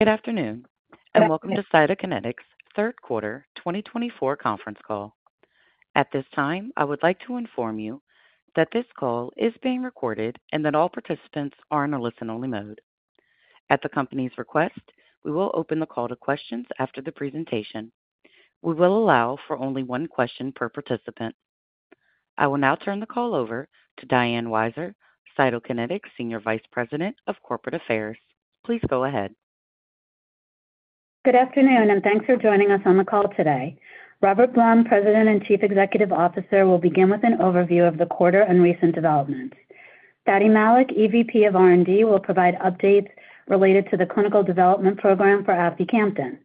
Good afternoon and welcome to Cytokinetics Q3 2024 conference call. At this time, I would like to inform you that this call is being recorded and that all participants are in a listen-only mode. At the company's request, we will open the call to questions after the presentation. We will allow for only one question per participant. I will now turn the call over to Diane Weiser, Cytokinetics Senior Vice President of Corporate Affairs. Please go ahead. Good afternoon and thanks for joining us on the call today. Robert Blum, President and Chief Executive Officer, will begin with an overview of the quarter and recent developments. Fady Malik, EVP of R&D, will provide updates related to the clinical development program for aficamten.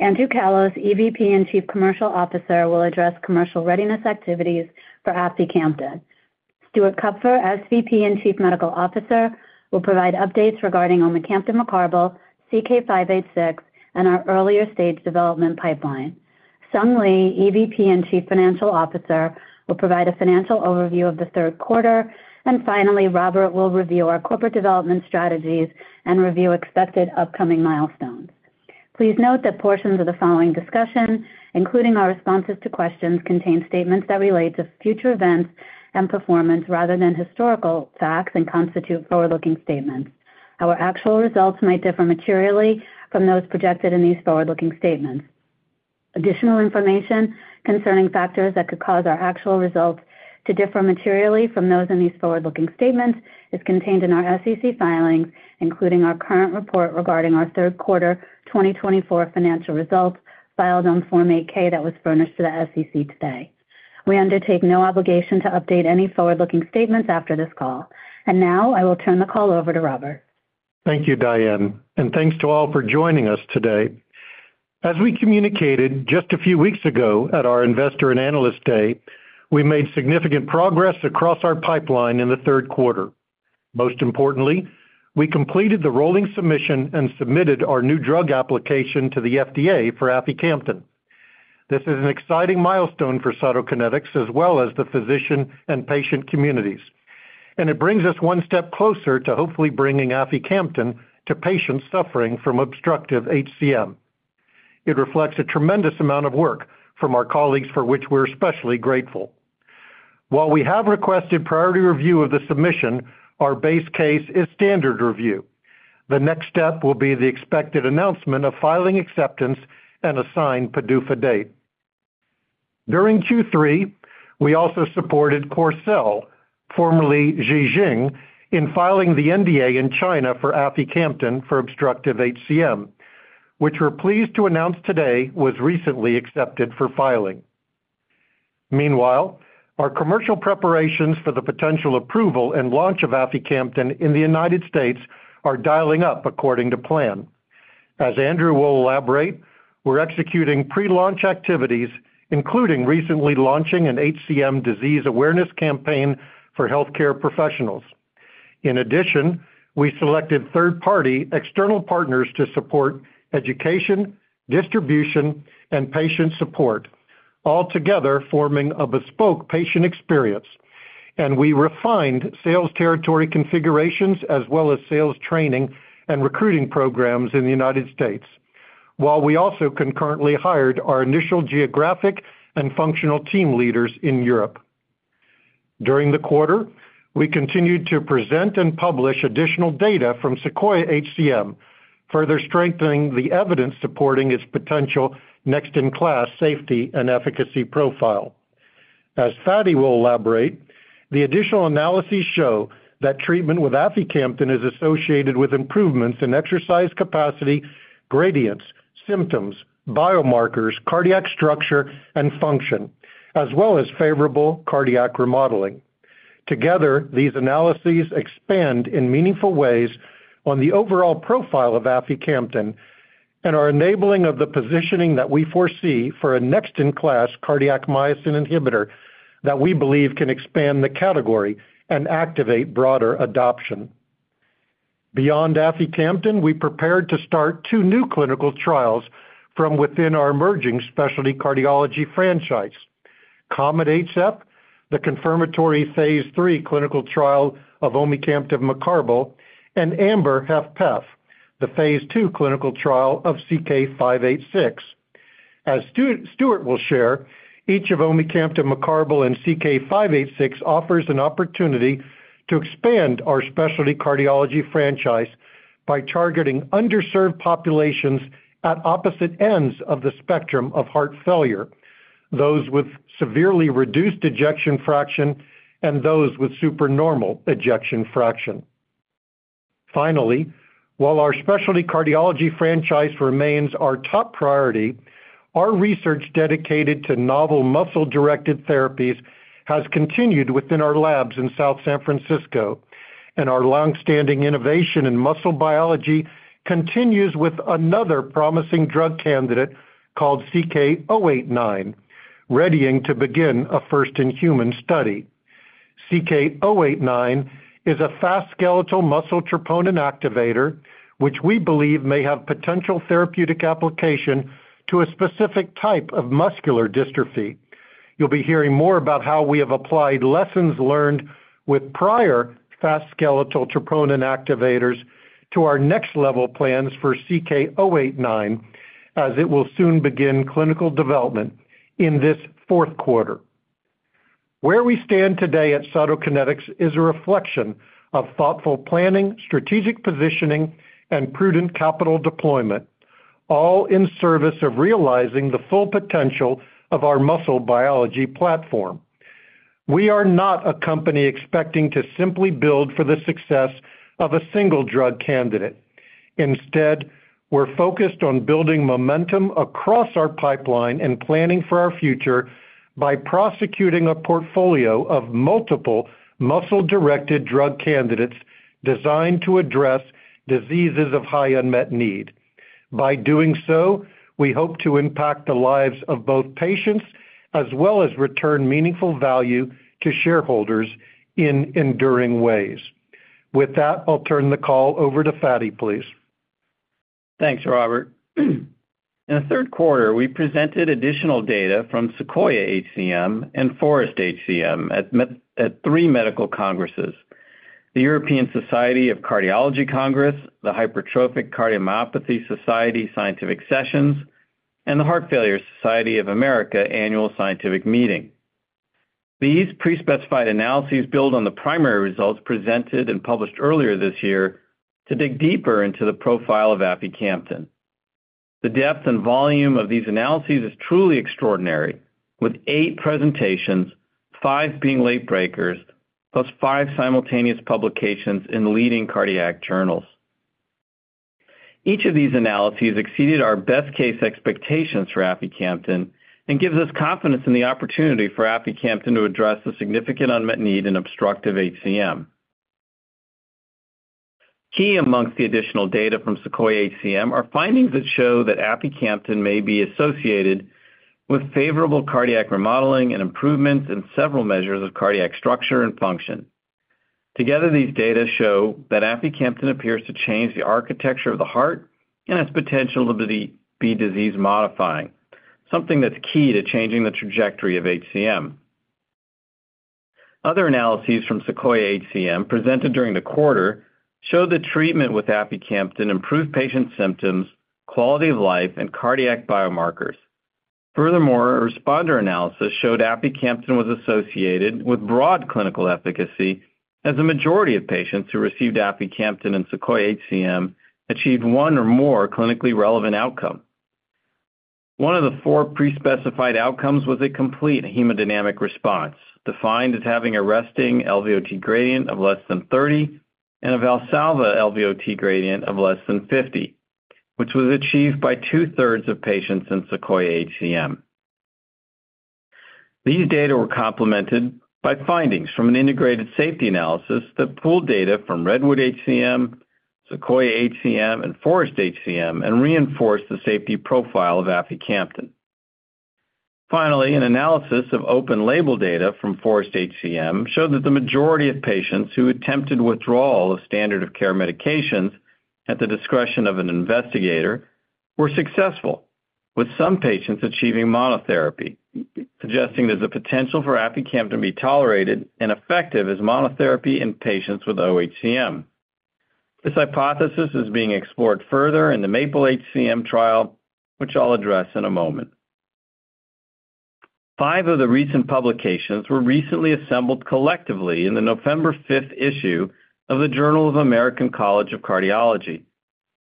Andrew Callos, EVP and Chief Commercial Officer, will address commercial readiness activities for aficamten. Stuart Kupfer, SVP and Chief Medical Officer, will provide updates regarding omecamtiv mecarbil CK-586 and our earlier stage development pipeline. Sung Lee, EVP and Chief Financial Officer, will provide a financial overview of the Q3. And finally, Robert will review our corporate development strategies and review expected upcoming milestones. Please note that portions of the following discussion, including our responses to questions, contain statements that relate to future events and performance rather than historical facts and constitute forward-looking statements. Our actual results might differ materially from those projected in these forward-looking statements. Additional information concerning factors that could cause our actual results to differ materially from those in these forward-looking statements is contained in our SEC filings, including our current report regarding our Q3 2024 financial results filed on Form 8-K that was furnished to the SEC today. We undertake no obligation to update any forward-looking statements after this call. And now I will turn the call over to Robert. Thank you, Diane. And thanks to all for joining us today. As we communicated just a few weeks ago at our Investor and Analyst Day, we made significant progress across our pipeline in the Q3. Most importantly, we completed the rolling submission and submitted our new drug application to the FDA for aficamten. This is an exciting milestone for Cytokinetics as well as the physician and patient communities. And it brings us one step closer to hopefully bringing aficamten to patients suffering from obstructive HCM. It reflects a tremendous amount of work from our colleagues for which we're especially grateful. While we have requested priority review of the submission, our base case is standard review. The next step will be the expected announcement of filing acceptance and assigned PDUFA date. During Q3, we also supported Corxel, formerly Ji Xing, in filing the NDA in China for aficamten for obstructive HCM, which we're pleased to announce today was recently accepted for filing. Meanwhile, our commercial preparations for the potential approval and launch of aficamten in the United States are dialing up according to plan. As Andrew will elaborate, we're executing pre-launch activities, including recently launching an HCM disease awareness campaign for healthcare professionals. In addition, we selected third-party external partners to support education, distribution, and patient support, all together forming a bespoke patient experience, and we refined sales territory configurations as well as sales training and recruiting programs in the United States, while we also concurrently hired our initial geographic and functional team leaders in Europe. During the quarter, we continued to present and publish additional data from SEQUOIA-HCM, further strengthening the evidence supporting its potential next-in-class safety and efficacy profile. As Fady will elaborate, the additional analyses show that treatment with aficamten is associated with improvements in exercise capacity, gradients, symptoms, biomarkers, cardiac structure, and function, as well as favorable cardiac remodeling. Together, these analyses expand in meaningful ways on the overall profile of aficamten and are enabling the positioning that we foresee for a next-in-class cardiac myosin inhibitor that we believe can expand the category and activate broader adoption. Beyond aficamten, we prepared to start two new clinical trials from within our emerging specialty cardiology franchise: COMET-HF, the confirmatory phase III clinical trial of omecamtiv mecarbil, and AMBER-HFpEF, the phase II clinical trial of CK-586. As Stuart will share, each of omecamtiv mecarbil and CK-586 offers an opportunity to expand our specialty cardiology franchise by targeting underserved populations at opposite ends of the spectrum of heart failure: those with severely reduced ejection fraction and those with supernormal ejection fraction. Finally, while our specialty cardiology franchise remains our top priority, our research dedicated to novel muscle-directed therapies has continued within our labs in South San Francisco, and our longstanding innovation in muscle biology continues with another promising drug candidate called CK-089, readying to begin a first-in-human study. CK-089 is a fast skeletal muscle troponin activator, which we believe may have potential therapeutic application to a specific type of muscular dystrophy. You'll be hearing more about how we have applied lessons learned with prior fast skeletal troponin activators to our next-level plans for CK-089, as it will soon begin clinical development in this Q4. Where we stand today at Cytokinetics is a reflection of thoughtful planning, strategic positioning, and prudent capital deployment, all in service of realizing the full potential of our muscle biology platform. We are not a company expecting to simply build for the success of a single drug candidate. Instead, we're focused on building momentum across our pipeline and planning for our future by prosecuting a portfolio of multiple muscle-directed drug candidates designed to address diseases of high unmet need. By doing so, we hope to impact the lives of both patients as well as return meaningful value to shareholders in enduring ways. With that, I'll turn the call over to Fady, please. Thanks, Robert. In the Q3, we presented additional data from SEQUOIA-HCM and FOREST-HCM at three medical congresses: the European Society of Cardiology Congress, the Hypertrophic Cardiomyopathy Society scientific sessions, and the Heart Failure Society of America annual scientific meeting. These pre-specified analyses build on the primary results presented and published earlier this year to dig deeper into the profile of aficamten. The depth and volume of these analyses is truly extraordinary, with eight presentations, five being late breakers, plus five simultaneous publications in leading cardiac journals. Each of these analyses exceeded our best-case expectations for aficamten and gives us confidence in the opportunity for aficamten to address the significant unmet need in obstructive HCM. Key amongst the additional data from SEQUOIA-HCM are findings that show that aficamten may be associated with favorable cardiac remodeling and improvements in several measures of cardiac structure and function. Together, these data show that aficamten appears to change the architecture of the heart and its potential to be disease-modifying, something that's key to changing the trajectory of HCM. Other analyses from SEQUOIA-HCM presented during the quarter showed that treatment with aficamten improved patient symptoms, quality of life, and cardiac biomarkers. Furthermore, a responder analysis showed aficamten was associated with broad clinical efficacy, as the majority of patients who received aficamten in SEQUOIA-HCM achieved one or more clinically relevant outcomes. One of the four pre-specified outcomes was a complete hemodynamic response, defined as having a resting LVOT gradient of less than 30 and a Valsalva LVOT gradient of less than 50, which was achieved by two-thirds of patients in SEQUOIA-HCM. These data were complemented by findings from an integrated safety analysis that pooled data from REDWOOD-HCM, SEQUOIA-HCM, and FOREST-HCM and reinforced the safety profile of aficamten. Finally, an analysis of open label data from FOREST-HCM showed that the majority of patients who attempted withdrawal of standard-of-care medications at the discretion of an investigator were successful, with some patients achieving monotherapy, suggesting there's a potential for aficamten to be tolerated and effective as monotherapy in patients with oHCM. This hypothesis is being explored further in the MAPLE-HCM trial, which I'll address in a moment. Five of the recent publications were recently assembled collectively in the November 5th issue of the Journal of the American College of Cardiology,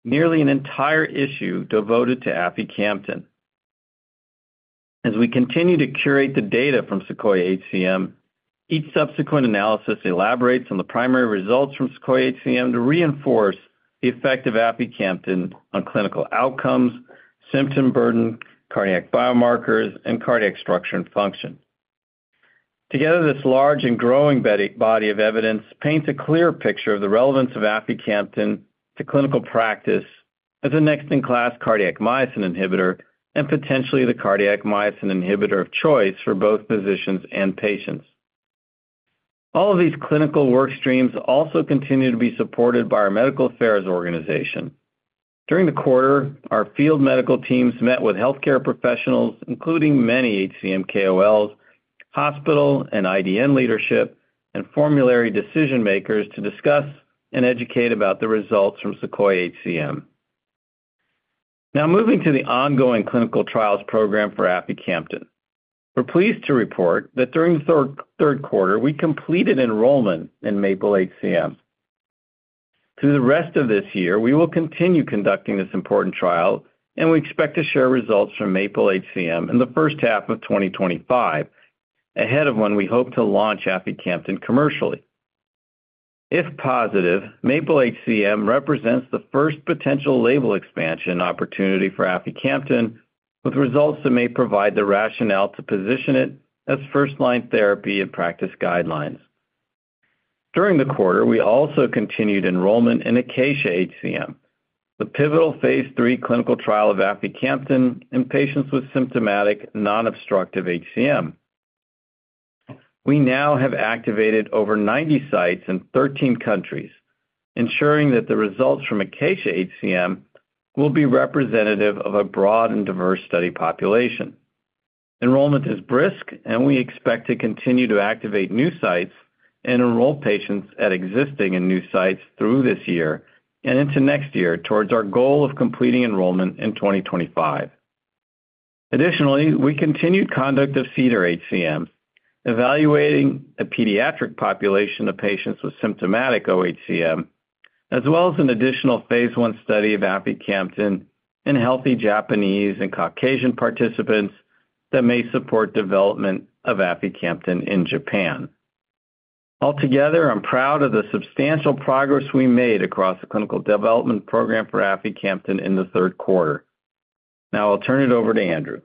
nearly an entire issue devoted to aficamten. As we continue to curate the data from SEQUOIA-HCM, each subsequent analysis elaborates on the primary results from SEQUOIA-HCM to reinforce the effect of aficamten on clinical outcomes, symptom burden, cardiac biomarkers, and cardiac structure and function. Together, this large and growing body of evidence paints a clear picture of the relevance of aficamten to clinical practice as a next-in-class cardiac myosin inhibitor and potentially the cardiac myosin inhibitor of choice for both physicians and patients. All of these clinical workstreams also continue to be supported by our medical affairs organization. During the quarter, our field medical teams met with healthcare professionals, including many HCM KOLs, hospital and IDN leadership, and formulary decision-makers to discuss and educate about the results from SEQUOIA-HCM. Now, moving to the ongoing clinical trials program for aficamten, we're pleased to report that during the Q3, we completed enrollment in MAPLE-HCM. Through the rest of this year, we will continue conducting this important trial, and we expect to share results from MAPLE-HCM in the first half of 2025, ahead of when we hope to launch aficamten commercially. If positive, MAPLE-HCM represents the first potential label expansion opportunity for aficamten, with results that may provide the rationale to position it as first-line therapy in practice guidelines. During the quarter, we also continued enrollment in ACACIA-HCM, the pivotal phase III clinical trial of aficamten in patients with symptomatic non-obstructive HCM. We now have activated over 90 sites in 13 countries, ensuring that the results from ACACIA-HCM will be representative of a broad and diverse study population. Enrollment is brisk, and we expect to continue to activate new sites and enroll patients at existing and new sites through this year and into next year towards our goal of completing enrollment in 2025. Additionally, we continued conduct of CEDAR-HCM, evaluating a pediatric population of patients with symptomatic oHCM, as well as an additional phase I study of aficamten in healthy Japanese and Caucasian participants that may support development of aficamten in Japan. Altogether, I'm proud of the substantial progress we made across the clinical development program for aficamten in the Q3. Now, I'll turn it over to Andrew.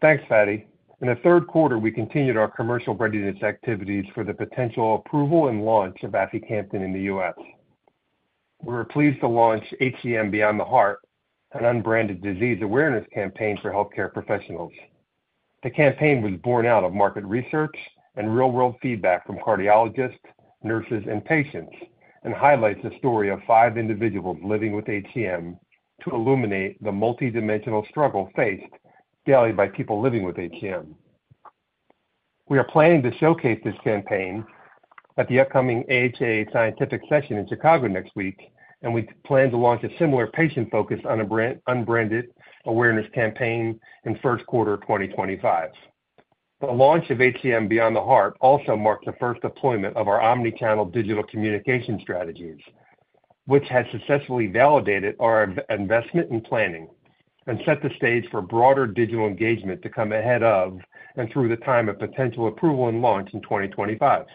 Thanks, Fady. In the Q3, we continued our commercial readiness activities for the potential approval and launch of aficamten in the US. We were pleased to launch HCM Beyond the Heart, an unbranded disease awareness campaign for healthcare professionals. The campaign was born out of market research and real-world feedback from cardiologists, nurses, and patients, and highlights the story of five individuals living with HCM to illuminate the multidimensional struggle faced daily by people living with HCM. We are planning to showcase this campaign at the upcoming AHA scientific session in Chicago next week, and we plan to launch a similar patient-focused unbranded awareness campaign in the Q1 of 2025. The launch of HCM Beyond the Heart also marked the first deployment of our omnichannel digital communication strategies, which has successfully validated our investment and planning and set the stage for broader digital engagement to come ahead of and through the time of potential approval and launch in 2025.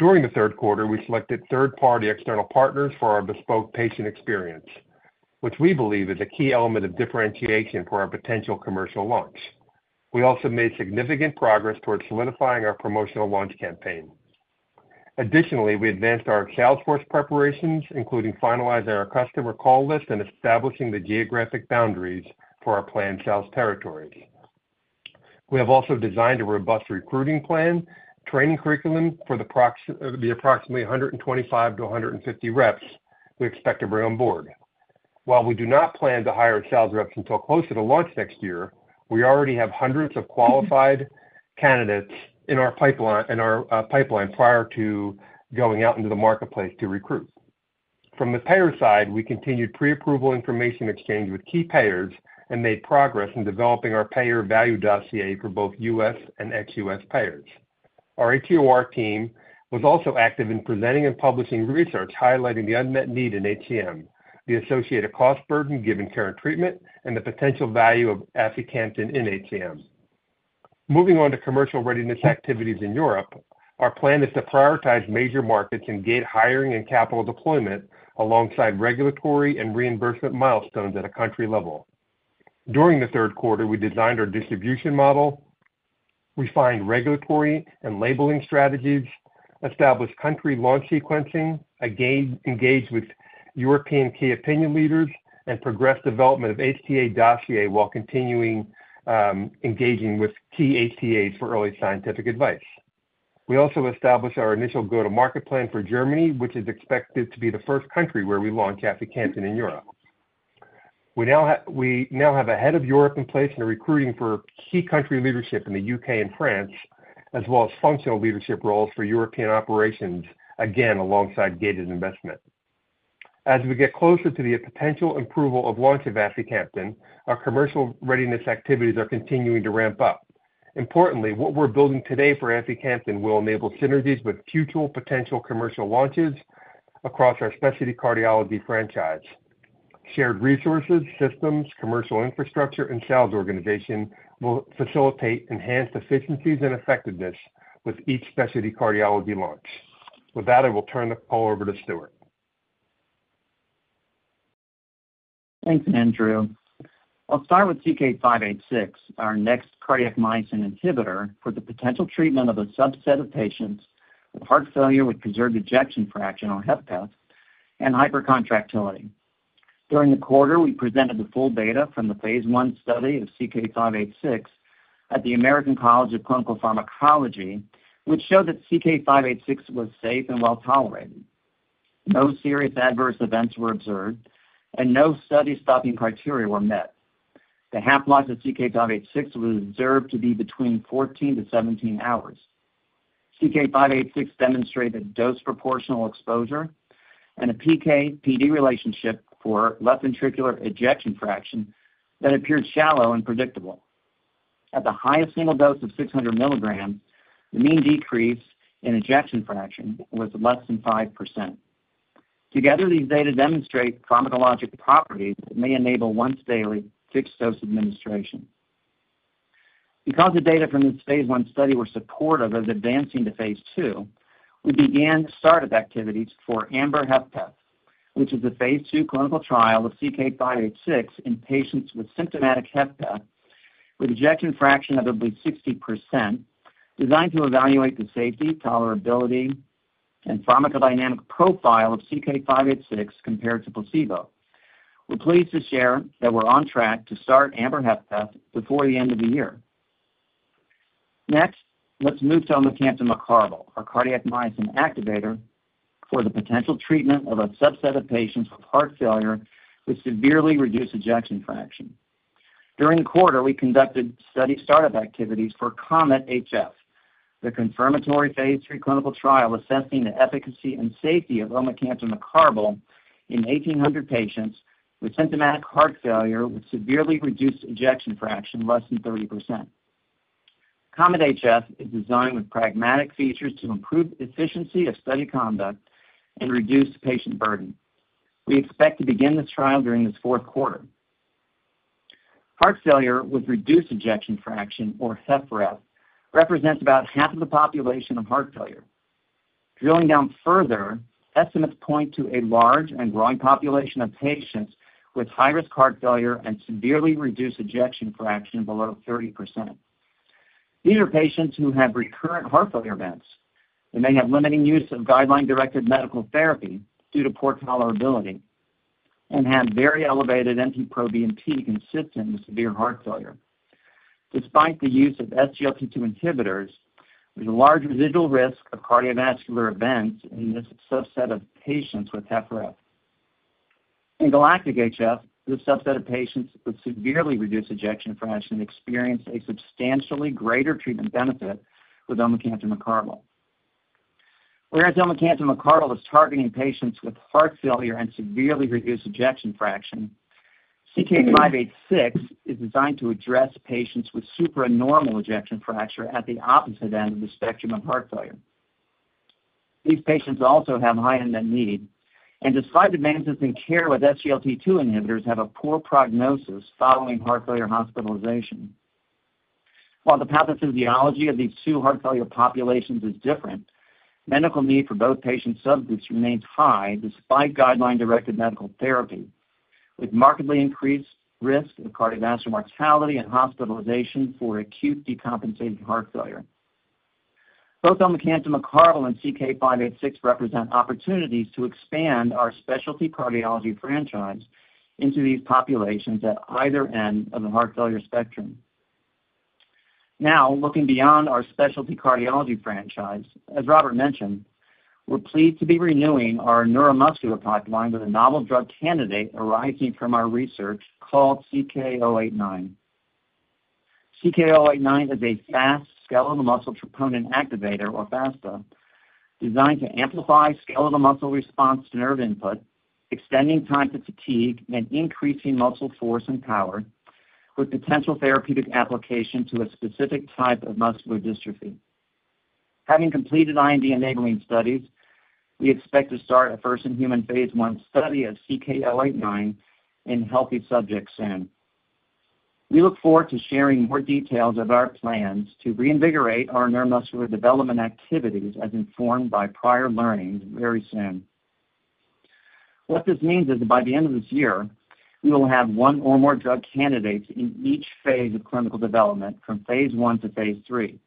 During the Q3, we selected third-party external partners for our bespoke patient experience, which we believe is a key element of differentiation for our potential commercial launch. We also made significant progress towards solidifying our promotional launch campaign. Additionally, we advanced our salesforce preparations, including finalizing our customer call list and establishing the geographic boundaries for our planned sales territories. We have also designed a robust recruiting plan, training curriculum for the approximately 125 to 150 reps we expect to bring on board. While we do not plan to hire sales reps until closer to launch next year, we already have hundreds of qualified candidates in our pipeline prior to going out into the marketplace to recruit. From the payer side, we continued pre-approval information exchange with key payers and made progress in developing our payer value dossier for both U.S. and ex-U.S. payers. Our HEOR team was also active in presenting and publishing research highlighting the unmet need in HCM, the associated cost burden given care and treatment, and the potential value of aficamten in HCM. Moving on to commercial readiness activities in Europe, our plan is to prioritize major markets and gate hiring and capital deployment alongside regulatory and reimbursement milestones at a country level. During the Q3, we designed our distribution model, refined regulatory and labeling strategies, established country launch sequencing, engaged with European key opinion leaders, and progressed development of HCP dossier while continuing engaging with key HCPs for early scientific advice. We also established our initial go-to-market plan for Germany, which is expected to be the first country where we launch aficamten in Europe. We now have a head of Europe in place and are recruiting for key country leadership in the U.K. and France, as well as functional leadership roles for European operations, again alongside gated investment. As we get closer to the potential approval of launch of aficamten, our commercial readiness activities are continuing to ramp up. Importantly, what we're building today for aficamten will enable synergies with future potential commercial launches across our specialty cardiology franchise. Shared resources, systems, commercial infrastructure, and sales organization will facilitate enhanced efficiencies and effectiveness with each specialty cardiology launch. With that, I will turn the call over to Stuart. Thanks, Andrew. I'll start with CK-586, our next cardiac myosin inhibitor for the potential treatment of a subset of patients with heart failure with preserved ejection fraction or HFpEF and hypercontractility. During the quarter, we presented the full data from the phase I study of CK-586 at the American College of Clinical Pharmacology, which showed that CK-586 was safe and well tolerated. No serious adverse events were observed, and no study stopping criteria were met. The half-life of CK-586 was observed to be between 14 to 17 hours. CK-586 demonstrated dose-proportional exposure and a PK/PD relationship for left ventricular ejection fraction that appeared shallow and predictable. At the highest single dose of 600 milligrams, the mean decrease in ejection fraction was less than 5%. Together, these data demonstrate pharmacologic properties that may enable once-daily fixed dose administration. Because the data from this phase I study were supportive of advancing to phase II, we began startup activities for AMBER-HFpEF, which is a phase II clinical trial of CK-586 in patients with symptomatic HFpEF with ejection fraction of at least 60%, designed to evaluate the safety, tolerability, and pharmacodynamic profile of CK-586 compared to placebo. We're pleased to share that we're on track to start AMBER-HFpEF before the end of the year. Next, let's move to omecamtiv mecarbil, our cardiac myosin activator for the potential treatment of a subset of patients with heart failure with severely reduced ejection fraction. During the quarter, we conducted study startup activities for COMET-HF, the confirmatory phase III clinical trial assessing the efficacy and safety of omecamtiv mecarbil in 1,800 patients with symptomatic heart failure with severely reduced ejection fraction less than 30%. COMET-HF is designed with pragmatic features to improve efficiency of study conduct and reduce patient burden. We expect to begin this trial during this Q4. Heart failure with reduced ejection fraction, or HFrEF, represents about half of the population of heart failure. Drilling down further, estimates point to a large and growing population of patients with high-risk heart failure and severely reduced ejection fraction below 30%. These are patients who have recurrent heart failure events. They may have limiting use of guideline-directed medical therapy due to poor tolerability and have very elevated NT-proBNP consistent with severe heart failure. Despite the use of SGLT2 inhibitors, there's a large residual risk of cardiovascular events in this subset of patients with HFrEF. In GALACTIC-HF, this subset of patients with severely reduced ejection fraction experienced a substantially greater treatment benefit with omecamtiv mecarbil. Whereas Omecamtiv Mecarbil is targeting patients with heart failure and severely reduced ejection fraction, CK-586 is designed to address patients with supranormal ejection fraction at the opposite end of the spectrum of heart failure. These patients also have high unmet need, and despite advances in care with SGLT2 inhibitors, have a poor prognosis following heart failure hospitalization. While the pathophysiology of these two heart failure populations is different, medical need for both patient subgroups remains high despite guideline-directed medical therapy, with markedly increased risk of cardiovascular mortality and hospitalization for acute decompensated heart failure. Both Omecamtiv Mecarbil and CK-586 represent opportunities to expand our specialty cardiology franchise into these populations at either end of the heart failure spectrum. Now, looking beyond our specialty cardiology franchise, as Robert mentioned, we're pleased to be renewing our neuromuscular pipeline with a novel drug candidate arising from our research called CK-089. CK-089 is a fast skeletal muscle troponin activator, or FASTA, designed to amplify skeletal muscle response to nerve input, extending time to fatigue and increasing muscle force and power, with potential therapeutic application to a specific type of muscular dystrophy. Having completed IND enabling studies, we expect to start a first-in-human phase I study of CK-089 in healthy subjects soon. We look forward to sharing more details of our plans to reinvigorate our neuromuscular development activities as informed by prior learnings very soon. What this means is that by the end of this year, we will have one or more drug candidates in each phase of clinical development from phase I to phase III,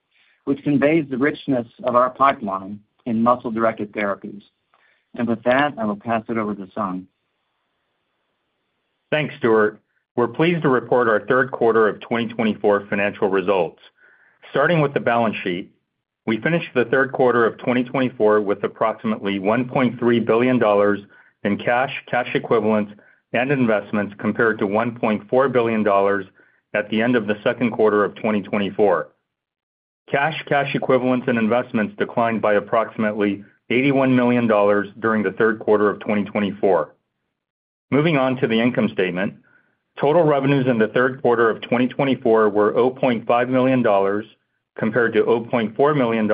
which conveys the richness of our pipeline in muscle-directed therapies. And with that, I will pass it over to Sung. Thanks, Stuart. We're pleased to report our Q3 of 2024 financial results. Starting with the balance sheet, we finished the Q3 of 2024 with approximately $1.3 billion in cash, cash equivalents, and investments compared to $1.4 billion at the end of the Q2 of 2024. Cash, cash equivalents, and investments declined by approximately $81 million during the Q3 of 2024. Moving on to the income statement, total revenues in the Q3 of 2024 were $0.5 million compared to $0.4 million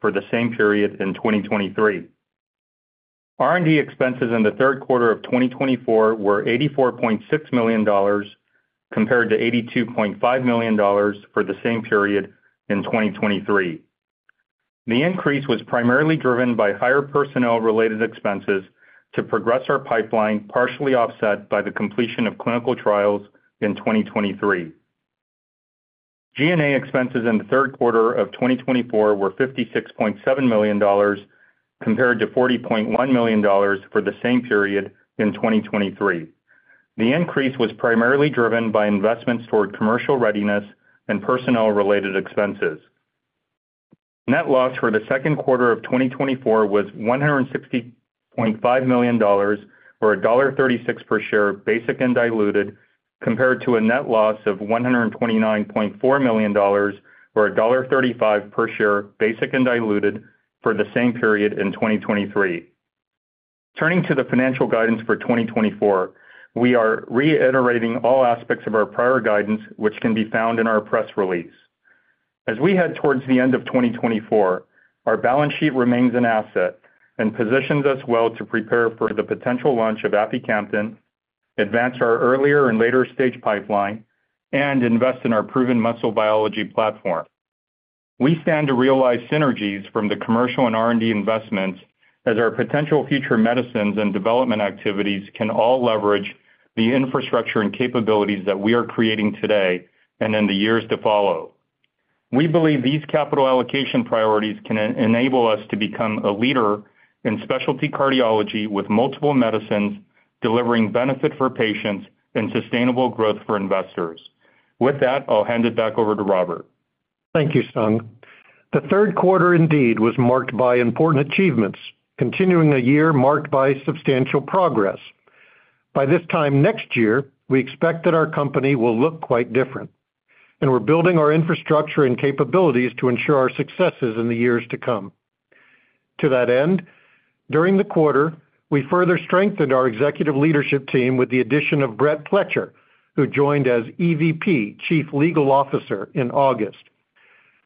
for the same period in 2023. R&D expenses in the Q3 of 2024 were $84.6 million compared to $82.5 million for the same period in 2023. The increase was primarily driven by higher personnel-related expenses to progress our pipeline, partially offset by the completion of clinical trials in 2023. G&A expenses in the Q3 of 2024 were $56.7 million compared to $40.1 million for the same period in 2023. The increase was primarily driven by investments toward commercial readiness and personnel-related expenses. Net loss for the Q2 of 2024 was $160.5 million or $1.36 per share, basic and diluted, compared to a net loss of $129.4 million or $1.35 per share, basic and diluted, for the same period in 2023. Turning to the financial guidance for 2024, we are reiterating all aspects of our prior guidance, which can be found in our press release. As we head towards the end of 2024, our balance sheet remains an asset and positions us well to prepare for the potential launch of aficamten, advance our earlier and later stage pipeline, and invest in our proven muscle biology platform. We stand to realize synergies from the commercial and R&D investments as our potential future medicines and development activities can all leverage the infrastructure and capabilities that we are creating today and in the years to follow. We believe these capital allocation priorities can enable us to become a leader in specialty cardiology with multiple medicines delivering benefit for patients and sustainable growth for investors. With that, I'll hand it back over to Robert. Thank you, Sung. The Q3 indeed was marked by important achievements, continuing a year marked by substantial progress. By this time next year, we expect that our company will look quite different, and we're building our infrastructure and capabilities to ensure our successes in the years to come. To that end, during the quarter, we further strengthened our executive leadership team with the addition of Brett Pletcher, who joined as EVP Chief Legal Officer in August.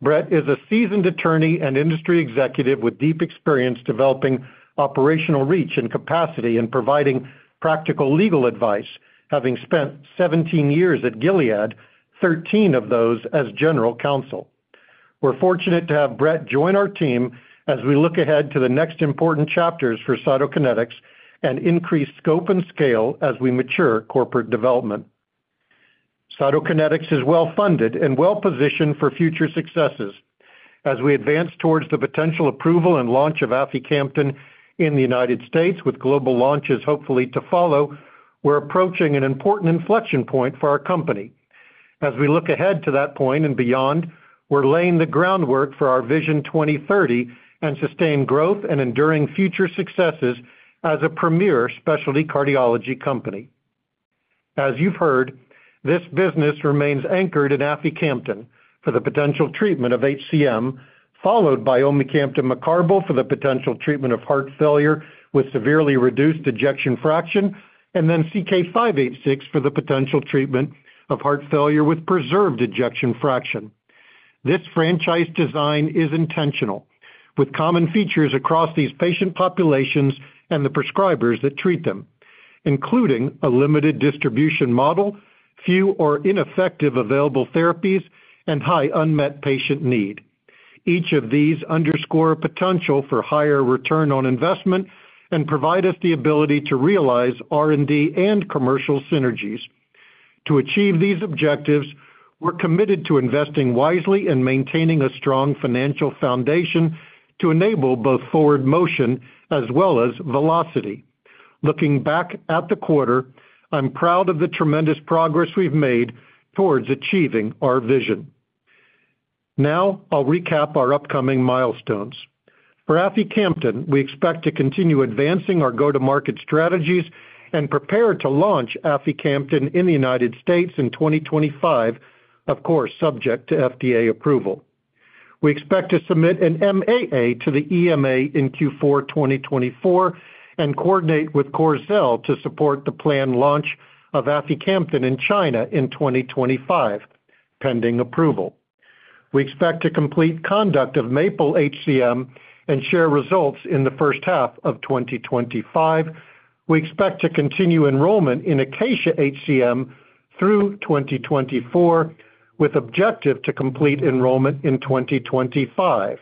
Brett is a seasoned attorney and industry executive with deep experience developing operational reach and capacity and providing practical legal advice, having spent 17 years at Gilead, 13 of those as general counsel. We're fortunate to have Brett join our team as we look ahead to the next important chapters for Cytokinetics and increase scope and scale as we mature corporate development. Cytokinetics is well-funded and well-positioned for future successes. As we advance towards the potential approval and launch of aficamten in the United States with global launches hopefully to follow, we're approaching an important inflection point for our company. As we look ahead to that point and beyond, we're laying the groundwork for our vision 2030 and sustained growth and enduring future successes as a premier specialty cardiology company. As you've heard, this business remains anchored in aficamten for the potential treatment of HCM, followed by omecamtiv mecarbil for the potential treatment of heart failure with severely reduced ejection fraction, and then CK-586 for the potential treatment of heart failure with preserved ejection fraction. This franchise design is intentional, with common features across these patient populations and the prescribers that treat them, including a limited distribution model, few or ineffective available therapies, and high unmet patient need. Each of these underscore a potential for higher return on investment and provide us the ability to realize R&D and commercial synergies. To achieve these objectives, we're committed to investing wisely and maintaining a strong financial foundation to enable both forward motion as well as velocity. Looking back at the quarter, I'm proud of the tremendous progress we've made towards achieving our vision. Now, I'll recap our upcoming milestones. For aficamten, we expect to continue advancing our go-to-market strategies and prepare to launch aficamten in the United States in 2025, of course, subject to FDA approval. We expect to submit an MAA to the EMA in Q4 2024 and coordinate with Corxel to support the planned launch of aficamten in China in 2025, pending approval. We expect to complete conduct of MAPLE-HCM and share results in the first half of 2025. We expect to continue enrollment in ACACIA-HCM through 2024, with the objective to complete enrollment in 2025.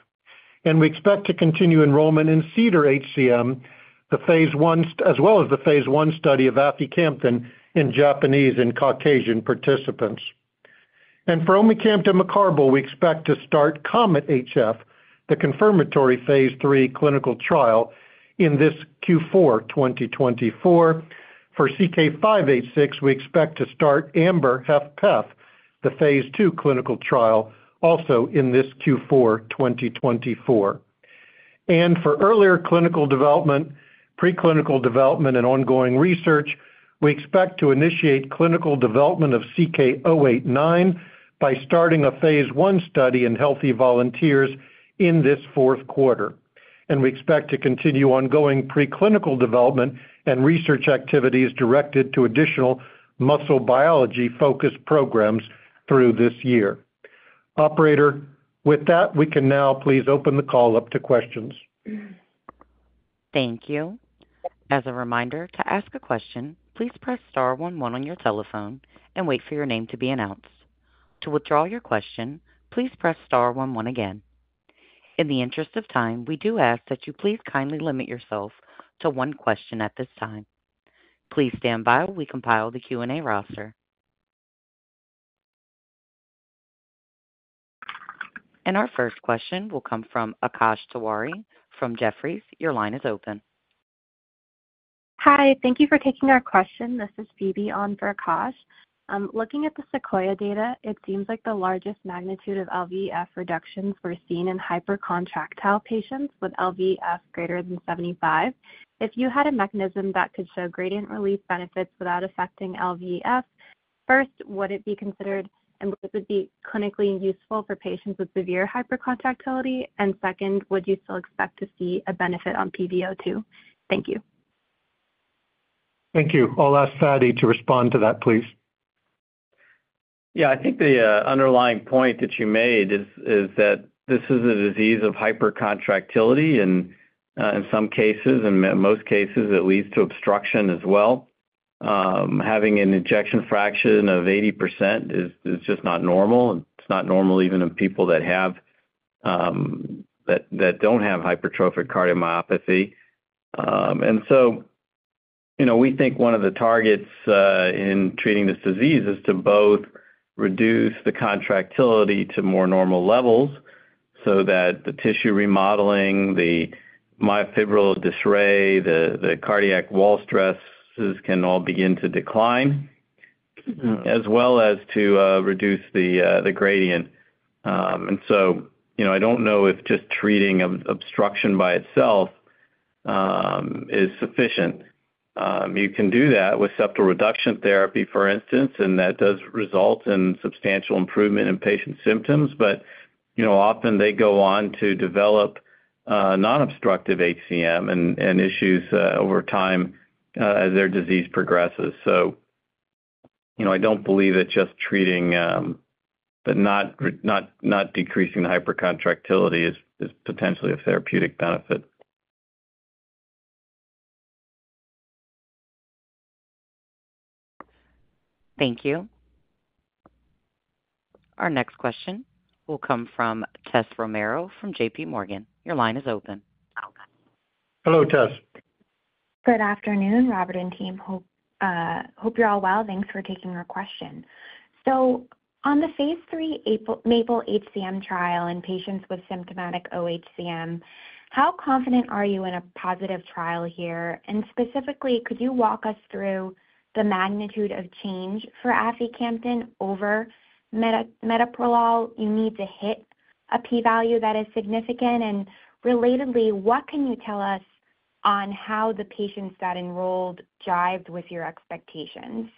And we expect to continue enrollment in CEDAR-HCM, the phase I, as well as the phase I study of aficamten in Japanese and Caucasian participants. And for omecamtiv mecarbil, we expect to start COMET-HF, the confirmatory phase III clinical trial in this Q4 2024. For CK-586, we expect to start AMBER-HFpEF, the phase II clinical trial, also in this Q4 2024. And for earlier clinical development, preclinical development, and ongoing research, we expect to initiate clinical development of CK-089 by starting a phase I study in healthy volunteers in this Q4. And we expect to continue ongoing preclinical development and research activities directed to additional muscle biology-focused programs through this year. Operator, with that, we can now please open the call up to questions. Thank you. As a reminder, to ask a question, please press star 11 on your telephone and wait for your name to be announced. To withdraw your question, please press star 11 again. In the interest of time, we do ask that you please kindly limit yourself to one question at this time. Please stand by while we compile the Q&A roster. And our first question will come from Akash Tewari from Jefferies. Your line is open. Hi, thank you for taking our question. This is Phoebe on for Akash. Looking at the SEQUOIA data, it seems like the largest magnitude of LVEF reductions were seen in hypercontractile patients with LVEF greater than 75. If you had a mechanism that could show gradient release benefits without affecting LVEF, first, would it be considered and would it be clinically useful for patients with severe hypercontractility? And second, would you still expect to see a benefit on PVO2? Thank you. Thank you. I'll ask Fady to respond to that, please. Yeah, I think the underlying point that you made is that this is a disease of hypercontractility in some cases, and in most cases, it leads to obstruction as well. Having an ejection fraction of 80% is just not normal. It's not normal even in people that don't have hypertrophic cardiomyopathy. And so we think one of the targets in treating this disease is to both reduce the contractility to more normal levels so that the tissue remodeling, the myofibrillary disarray, the cardiac wall stresses can all begin to decline, as well as to reduce the gradient. And so I don't know if just treating obstruction by itself is sufficient. You can do that with septal reduction therapy, for instance, and that does result in substantial improvement in patient symptoms, but often they go on to develop non-obstructive HCM and issues over time as their disease progresses. I don't believe that just treating, but not decreasing the hypercontractility is potentially a therapeutic benefit. Thank you. Our next question will come from Tessa Romero from JPMorgan. Your line is open. Hello, Tess. Good afternoon, Robert and team. Hope you're all well. Thanks for taking our question. So on the phase III MAPLE-HCM trial in patients with symptomatic oHCM, how confident are you in a positive trial here? And specifically, could you walk us through the magnitude of change for aficamten over metoprolol? You need to hit a P-value that is significant. And relatedly, what can you tell us on how the patients that enrolled jived with your expectations?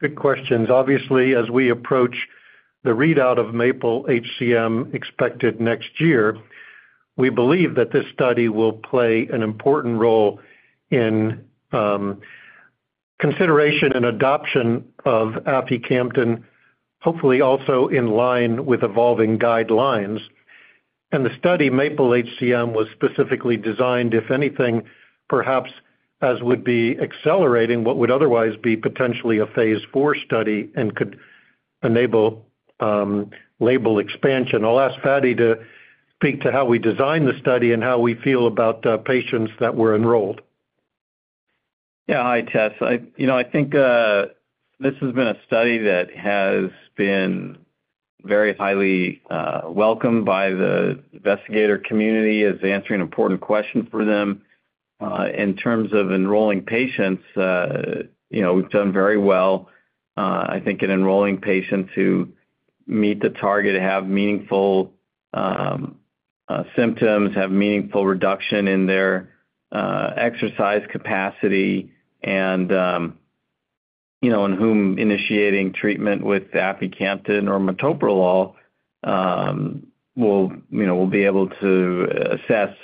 Good questions. Obviously, as we approach the readout of MAPLE-HCM expected next year, we believe that this study will play an important role in consideration and adoption of aficamten, hopefully also in line with evolving guidelines, and the study, MAPLE-HCM, was specifically designed, if anything, perhaps as would be accelerating what would otherwise be potentially a phase IV study and could enable label expansion. I'll ask Fady to speak to how we designed the study and how we feel about patients that were enrolled. Yeah, hi, Tess. I think this has been a study that has been very highly welcomed by the investigator community as answering important questions for them. In terms of enrolling patients, we've done very well, I think, in enrolling patients who meet the target, have meaningful symptoms, have meaningful reduction in their exercise capacity, and in whom initiating treatment with aficamten or metoprolol, we'll be able to assess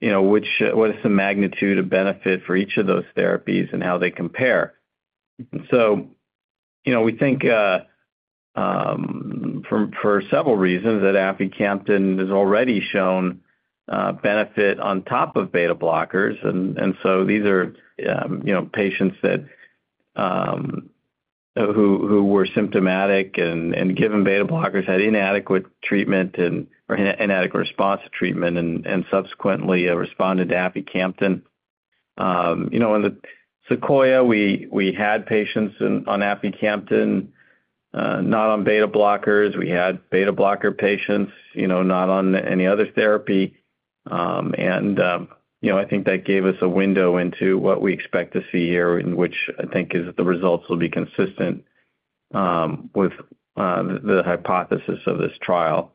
what is the magnitude of benefit for each of those therapies and how they compare. And so we think for several reasons that aficamten has already shown benefit on top of beta-blockers. And so these are patients who were symptomatic and given beta-blockers, had inadequate treatment or inadequate response to treatment, and subsequently responded to aficamten. In the Sequoia, we had patients on aficamten not on beta-blockers. We had beta-blocker patients not on any other therapy. I think that gave us a window into what we expect to see here, which I think is the results will be consistent with the hypothesis of this trial.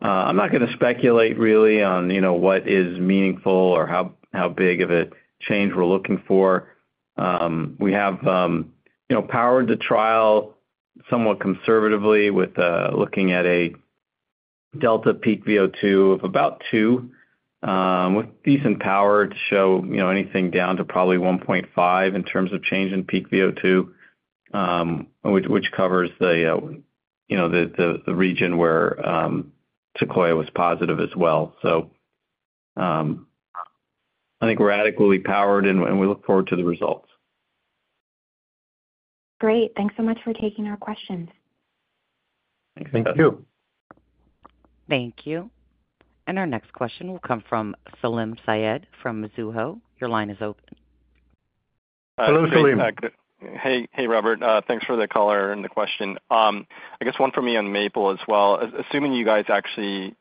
I'm not going to speculate really on what is meaningful or how big of a change we're looking for. We have powered the trial somewhat conservatively with looking at a delta peak VO2 of about two, with decent power to show anything down to probably 1.5 in terms of change in peak VO2, which covers the region where SEQUOIA was positive as well. I think we're adequately powered, and we look forward to the results. Great. Thanks so much for taking our questions. Thank you. Thank you. And our next question will come from Salim Syed from Mizuho. Your line is open. Hello, Salim. Hey, Robert. Thanks for the color and the question. I guess one for me on Maple as well. Assuming you guys actually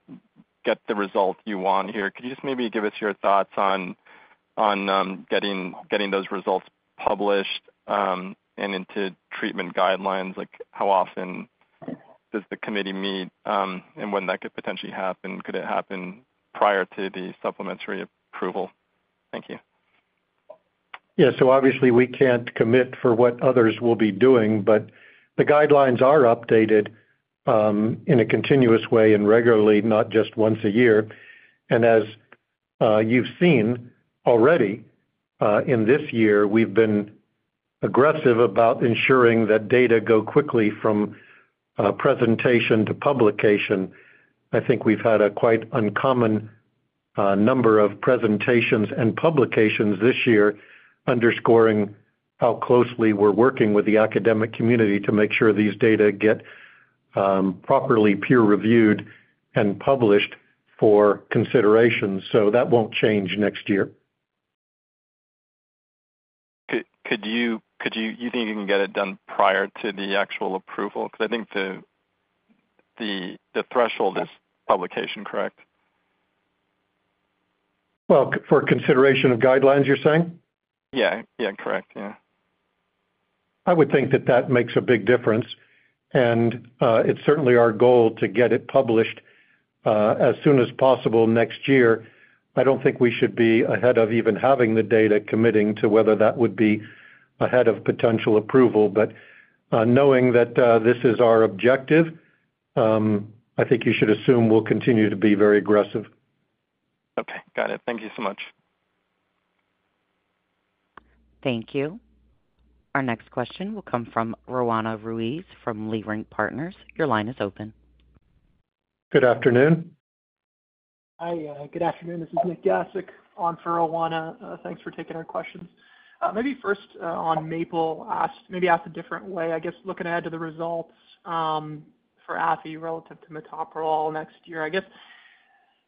get the result you want here, could you just maybe give us your thoughts on getting those results published and into treatment guidelines? How often does the committee meet and when that could potentially happen? Could it happen prior to the supplementary approval? Thank you. Yeah, so obviously, we can't commit for what others will be doing, but the guidelines are updated in a continuous way and regularly, not just once a year, and as you've seen already, in this year, we've been aggressive about ensuring that data go quickly from presentation to publication. I think we've had a quite uncommon number of presentations and publications this year, underscoring how closely we're working with the academic community to make sure these data get properly peer-reviewed and published for consideration, so that won't change next year. Could you think you can get it done prior to the actual approval? Because I think the threshold is publication, correct? For consideration of guidelines, you're saying? Yeah, yeah, correct. Yeah. I would think that that makes a big difference. And it's certainly our goal to get it published as soon as possible next year. I don't think we should be ahead of even having the data committing to whether that would be ahead of potential approval. But knowing that this is our objective, I think you should assume we'll continue to be very aggressive. Okay, got it. Thank you so much. Thank you. Our next question will come from Roanna Ruiz from Leerink Partners. Your line is open. Good afternoon. Hi, good afternoon. This is Nick Yasuk on for Roanna. Thanks for taking our questions. Maybe first on Maple, maybe ask a different way. I guess looking ahead to the results for Afy relative to metoprolol next year, I guess,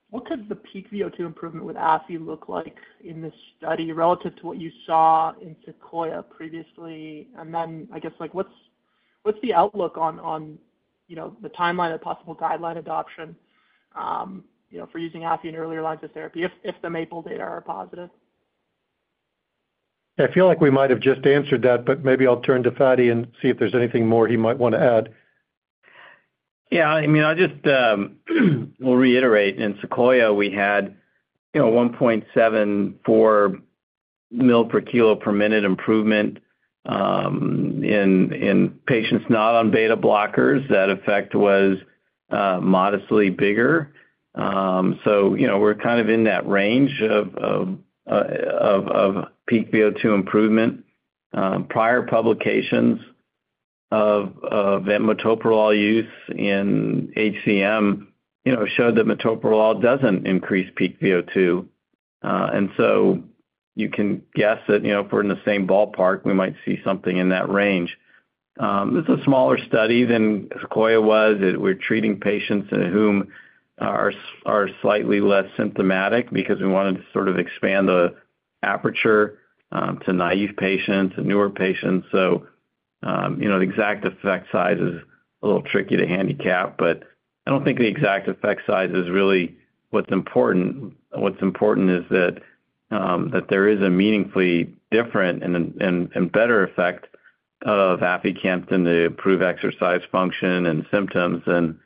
what could the peak VO2 improvement with Afy look like in this study relative to what you saw in Sequoia previously? And then I guess what's the outlook on the timeline of possible guideline adoption for using Afy in earlier lines of therapy if the Maple data are positive? Yeah, I feel like we might have just answered that, but maybe I'll turn to Fady and see if there's anything more he might want to add. Yeah, I mean, I'll just reiterate. In Sequoia, we had a 1.74 mil per kilo per minute improvement in patients not on beta-blockers. That effect was modestly bigger. So we're kind of in that range of peak VO2 improvement. Prior publications of metoprolol use in HCM showed that metoprolol doesn't increase peak VO2. And so you can guess that if we're in the same ballpark, we might see something in that range. This is a smaller study than Sequoia was. We're treating patients whom are slightly less symptomatic because we wanted to sort of expand the aperture to naive patients, newer patients. So the exact effect size is a little tricky to handicap, but I don't think the exact effect size is really what's important. What's important is that there is a meaningfully different and better effect of aficamten to improve exercise function and symptoms than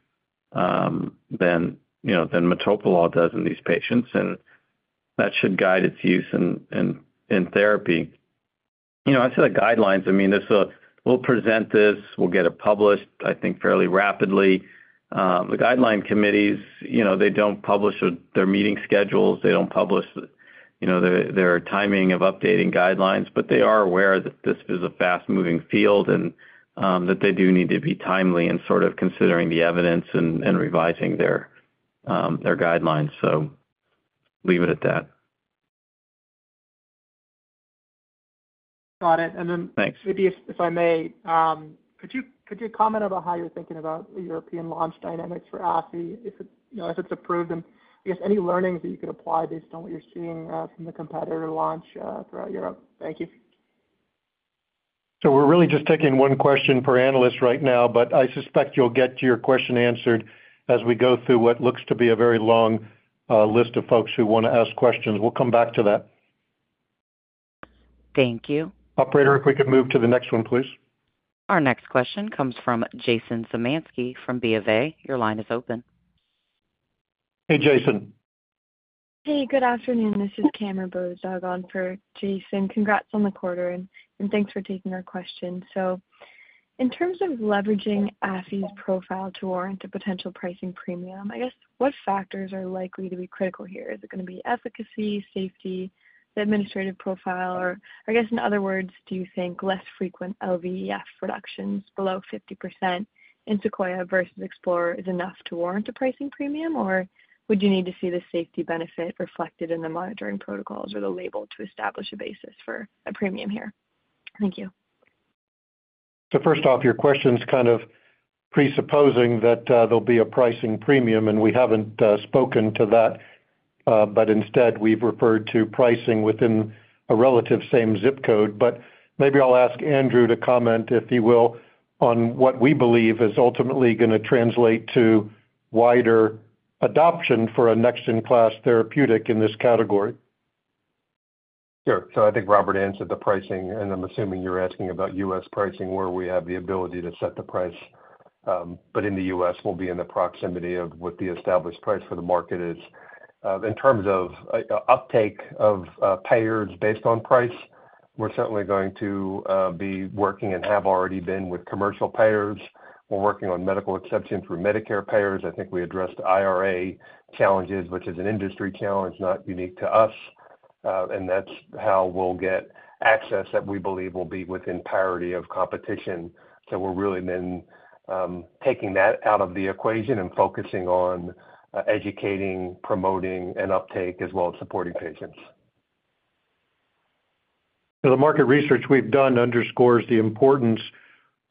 metoprolol does in these patients. And that should guide its use in therapy. I said the guidelines. I mean, we'll present this. We'll get it published, I think, fairly rapidly. The guideline committees, they don't publish their meeting schedules. They don't publish their timing of updating guidelines, but they are aware that this is a fast-moving field and that they do need to be timely in sort of considering the evidence and revising their guidelines. So leave it at that. Got it, and then maybe if I may, could you comment about how you're thinking about the European launch dynamics for aficamten if it's approved, and I guess any learnings that you could apply based on what you're seeing from the competitor launch throughout Europe? Thank you. So we're really just taking one question per analyst right now, but I suspect you'll get your question answered as we go through what looks to be a very long list of folks who want to ask questions. We'll come back to that. Thank you. Operator, if we could move to the next one, please. Our next question comes from Jason Zemansky from BofA. Your line is open. Hey, Jason. Hey, good afternoon. This is Cameron Bozdog on for Jason. Congrats on the quarter, and thanks for taking our question. So in terms of leveraging Afy's profile to warrant a potential pricing premium, I guess what factors are likely to be critical here? Is it going to be efficacy, safety, the administrative profile? Or I guess in other words, do you think less frequent LVEF reductions below 50% in Sequoia versus Explorer is enough to warrant a pricing premium, or would you need to see the safety benefit reflected in the monitoring protocols or the label to establish a basis for a premium here? Thank you. So first off, your question's kind of presupposing that there'll be a pricing premium, and we haven't spoken to that, but instead, we've referred to pricing within a relative same zip code. But maybe I'll ask Andrew to comment, if he will, on what we believe is ultimately going to translate to wider adoption for a next-gen-class therapeutic in this category. Sure. So I think Robert answered the pricing, and I'm assuming you're asking about U.S. pricing where we have the ability to set the price, but in the U.S., we'll be in the proximity of what the established price for the market is. In terms of uptake of payers based on price, we're certainly going to be working and have already been with commercial payers. We're working on medical exception through Medicare payers. I think we addressed IRA challenges, which is an industry challenge not unique to us. And that's how we'll get access that we believe will be within parity of competition. So we're really then taking that out of the equation and focusing on educating, promoting, and uptake as well as supporting patients. The market research we've done underscores the importance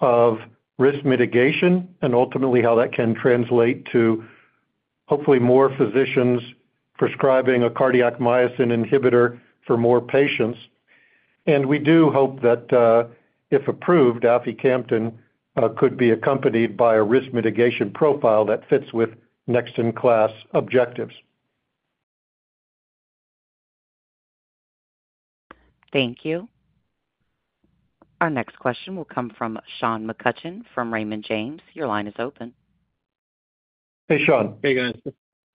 of risk mitigation and ultimately how that can translate to hopefully more physicians prescribing a cardiac myosin inhibitor for more patients. We do hope that if approved, aficamten could be accompanied by a risk mitigation profile that fits with next-in-class objectives. Thank you. Our next question will come from Sean McCutcheon from Raymond James. Your line is open. Hey, Sean. Hey, guys.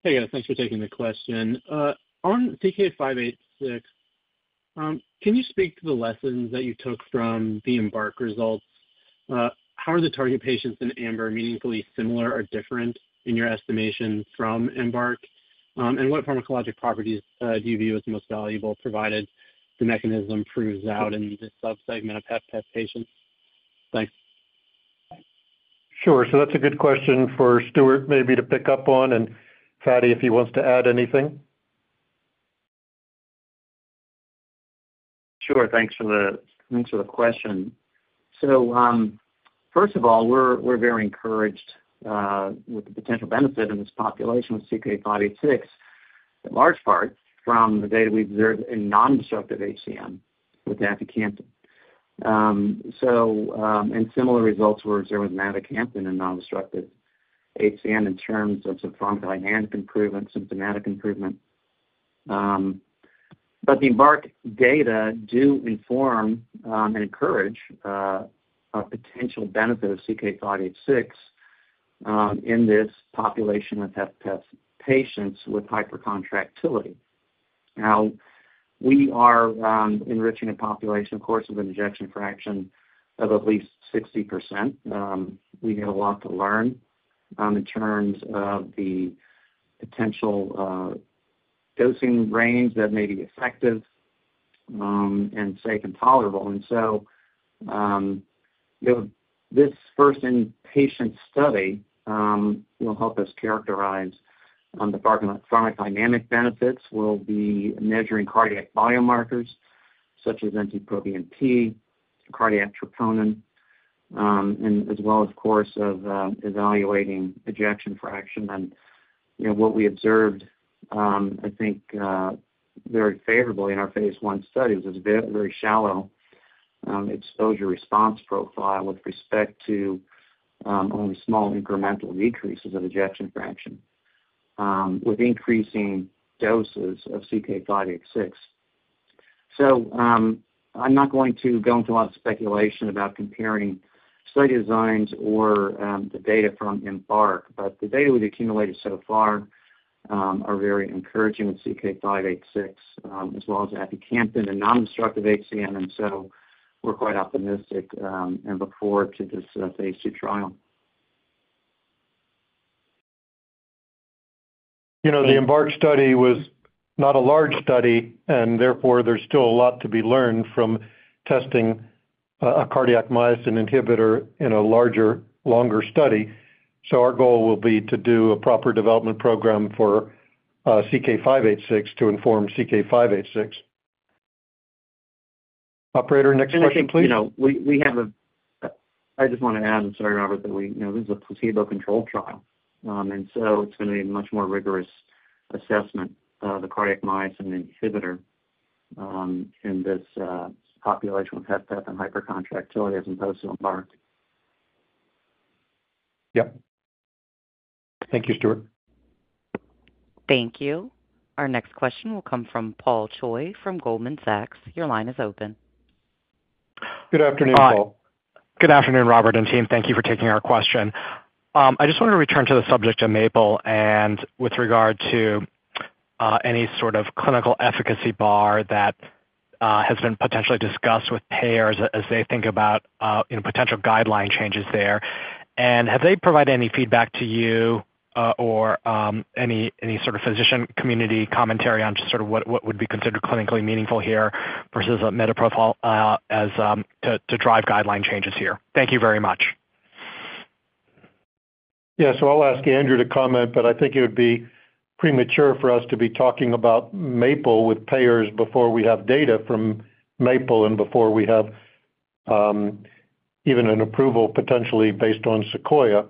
Hey, guys. Thanks for taking the question. On CK-586, can you speak to the lessons that you took from the EMBARK results? How are the target patients in AMBER meaningfully similar or different in your estimation from EMBARK? And what pharmacologic properties do you view as most valuable provided the mechanism proves out in this subsegment of HFpEF patients? Thanks. Sure. So that's a good question for Stuart maybe to pick up on and Fady if he wants to add anything. Sure. Thanks for the question. So first of all, we're very encouraged with the potential benefit in this population with CK-586, in large part, from the data we observed in non-obstructive HCM with aficamten. And similar results were observed with mavacamten and non-obstructive HCM in terms of some pharmacological enhancement improvement, symptomatic improvement. But the EMBARK data do inform and encourage a potential benefit of CK-586 in this population of HFpEF patients with hypercontractility. Now, we are enriching a population, of course, with an ejection fraction of at least 60%. We have a lot to learn in terms of the potential dosing range that may be effective and safe and tolerable. And so this first in-patient study will help us characterize the pharmacodynamic benefits. We'll be measuring cardiac biomarkers such as NT-proBNP, cardiac troponin, and as well as, of course, evaluating ejection fraction. What we observed, I think, very favorably in our phase I study was a very shallow exposure response profile with respect to only small incremental decreases of ejection fraction with increasing doses of CK-586. So I'm not going to go into a lot of speculation about comparing study designs or the data from EMBARK, but the data we've accumulated so far are very encouraging with CK-586 as well as aficamten in non-obstructive HCM. And so we're quite optimistic and look forward to this phase II trial. The EMBARK study was not a large study, and therefore, there's still a lot to be learned from testing a cardiac myosin inhibitor in a larger, longer study, so our goal will be to do a proper development program for CK-586 to inform CK-586. Operator, next question, please. I just want to add, I'm sorry, Robert, that this is a placebo-controlled trial, and so it's going to be a much more rigorous assessment of the cardiac myosin inhibitor in this population with HFpEF and hypercontractility as opposed to EMBARK. Yep. Thank you, Stuart. Thank you. Our next question will come from Paul Choi from Goldman Sachs. Your line is open. Good afternoon, Paul. Good afternoon, Robert and team. Thank you for taking our question. I just want to return to the subject of Maple and with regard to any sort of clinical efficacy bar that has been potentially discussed with payers as they think about potential guideline changes there, and have they provided any feedback to you or any sort of physician community commentary on just sort of what would be considered clinically meaningful here versus metoprolol to drive guideline changes here? Thank you very much. Yeah, so I'll ask Andrew to comment, but I think it would be premature for us to be talking about Maple with payers before we have data from Maple and before we have even an approval potentially based on Sequoia.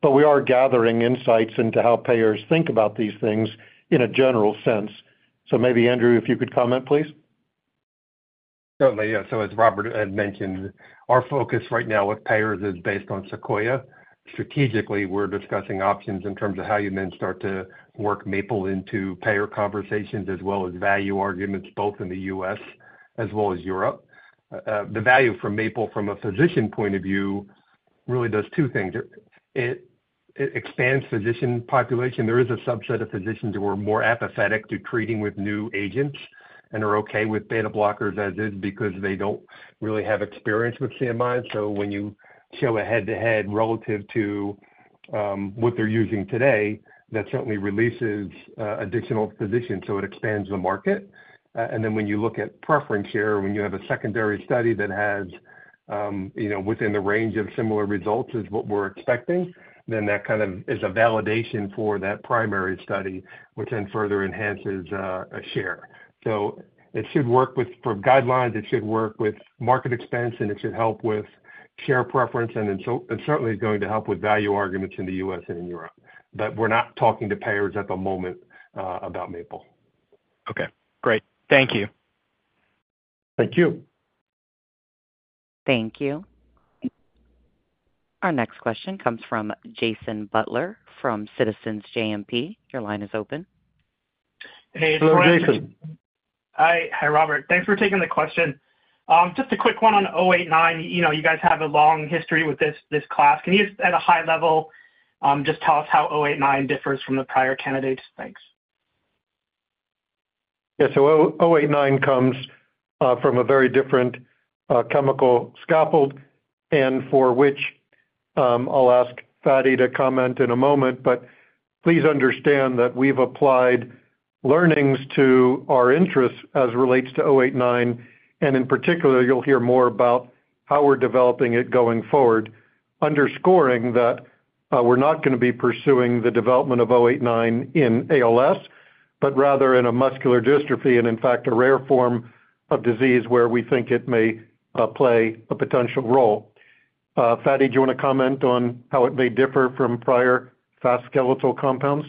But we are gathering insights into how payers think about these things in a general sense. So maybe Andrew, if you could comment, please. Certainly. Yeah, so as Robert had mentioned, our focus right now with payers is based on Sequoia. Strategically, we're discussing options in terms of how you then start to work Maple into payer conversations as well as value arguments both in the U.S. as well as Europe. The value for Maple from a physician point of view really does two things. It expands physician population. There is a subset of physicians who are more apathetic to treating with new agents and are okay with beta-blockers as is because they don't really have experience with CMI, so when you show a head-to-head relative to what they're using today, that certainly releases additional physicians, so it expands the market. And then when you look at preference here, when you have a secondary study that has within the range of similar results as what we're expecting, then that kind of is a validation for that primary study, which then further enhances a share. So it should work with guidelines. It should work with market access, and it should help with share preference, and certainly is going to help with value arguments in the U.S. and in Europe. But we're not talking to payers at the moment about Maple. Okay. Great. Thank you. Thank you. Thank you. Our next question comes from Jason Butler from Citizens JMP. Your line is open. Hey, Hello, Jason. Hi, Robert. Thanks for taking the question. Just a quick one on 089. You guys have a long history with this class. Can you, at a high level, just tell us how 089 differs from the prior candidates? Thanks. Yeah. So CK-089 comes from a very different chemical scaffold, and for which I'll ask Fady to comment in a moment. But please understand that we've applied learnings to our interests as it relates to CK-089. And in particular, you'll hear more about how we're developing it going forward, underscoring that we're not going to be pursuing the development of CK-089 in ALS, but rather in a muscular dystrophy and, in fact, a rare form of disease where we think it may play a potential role. Fady, do you want to comment on how it may differ from prior fast skeletal compounds?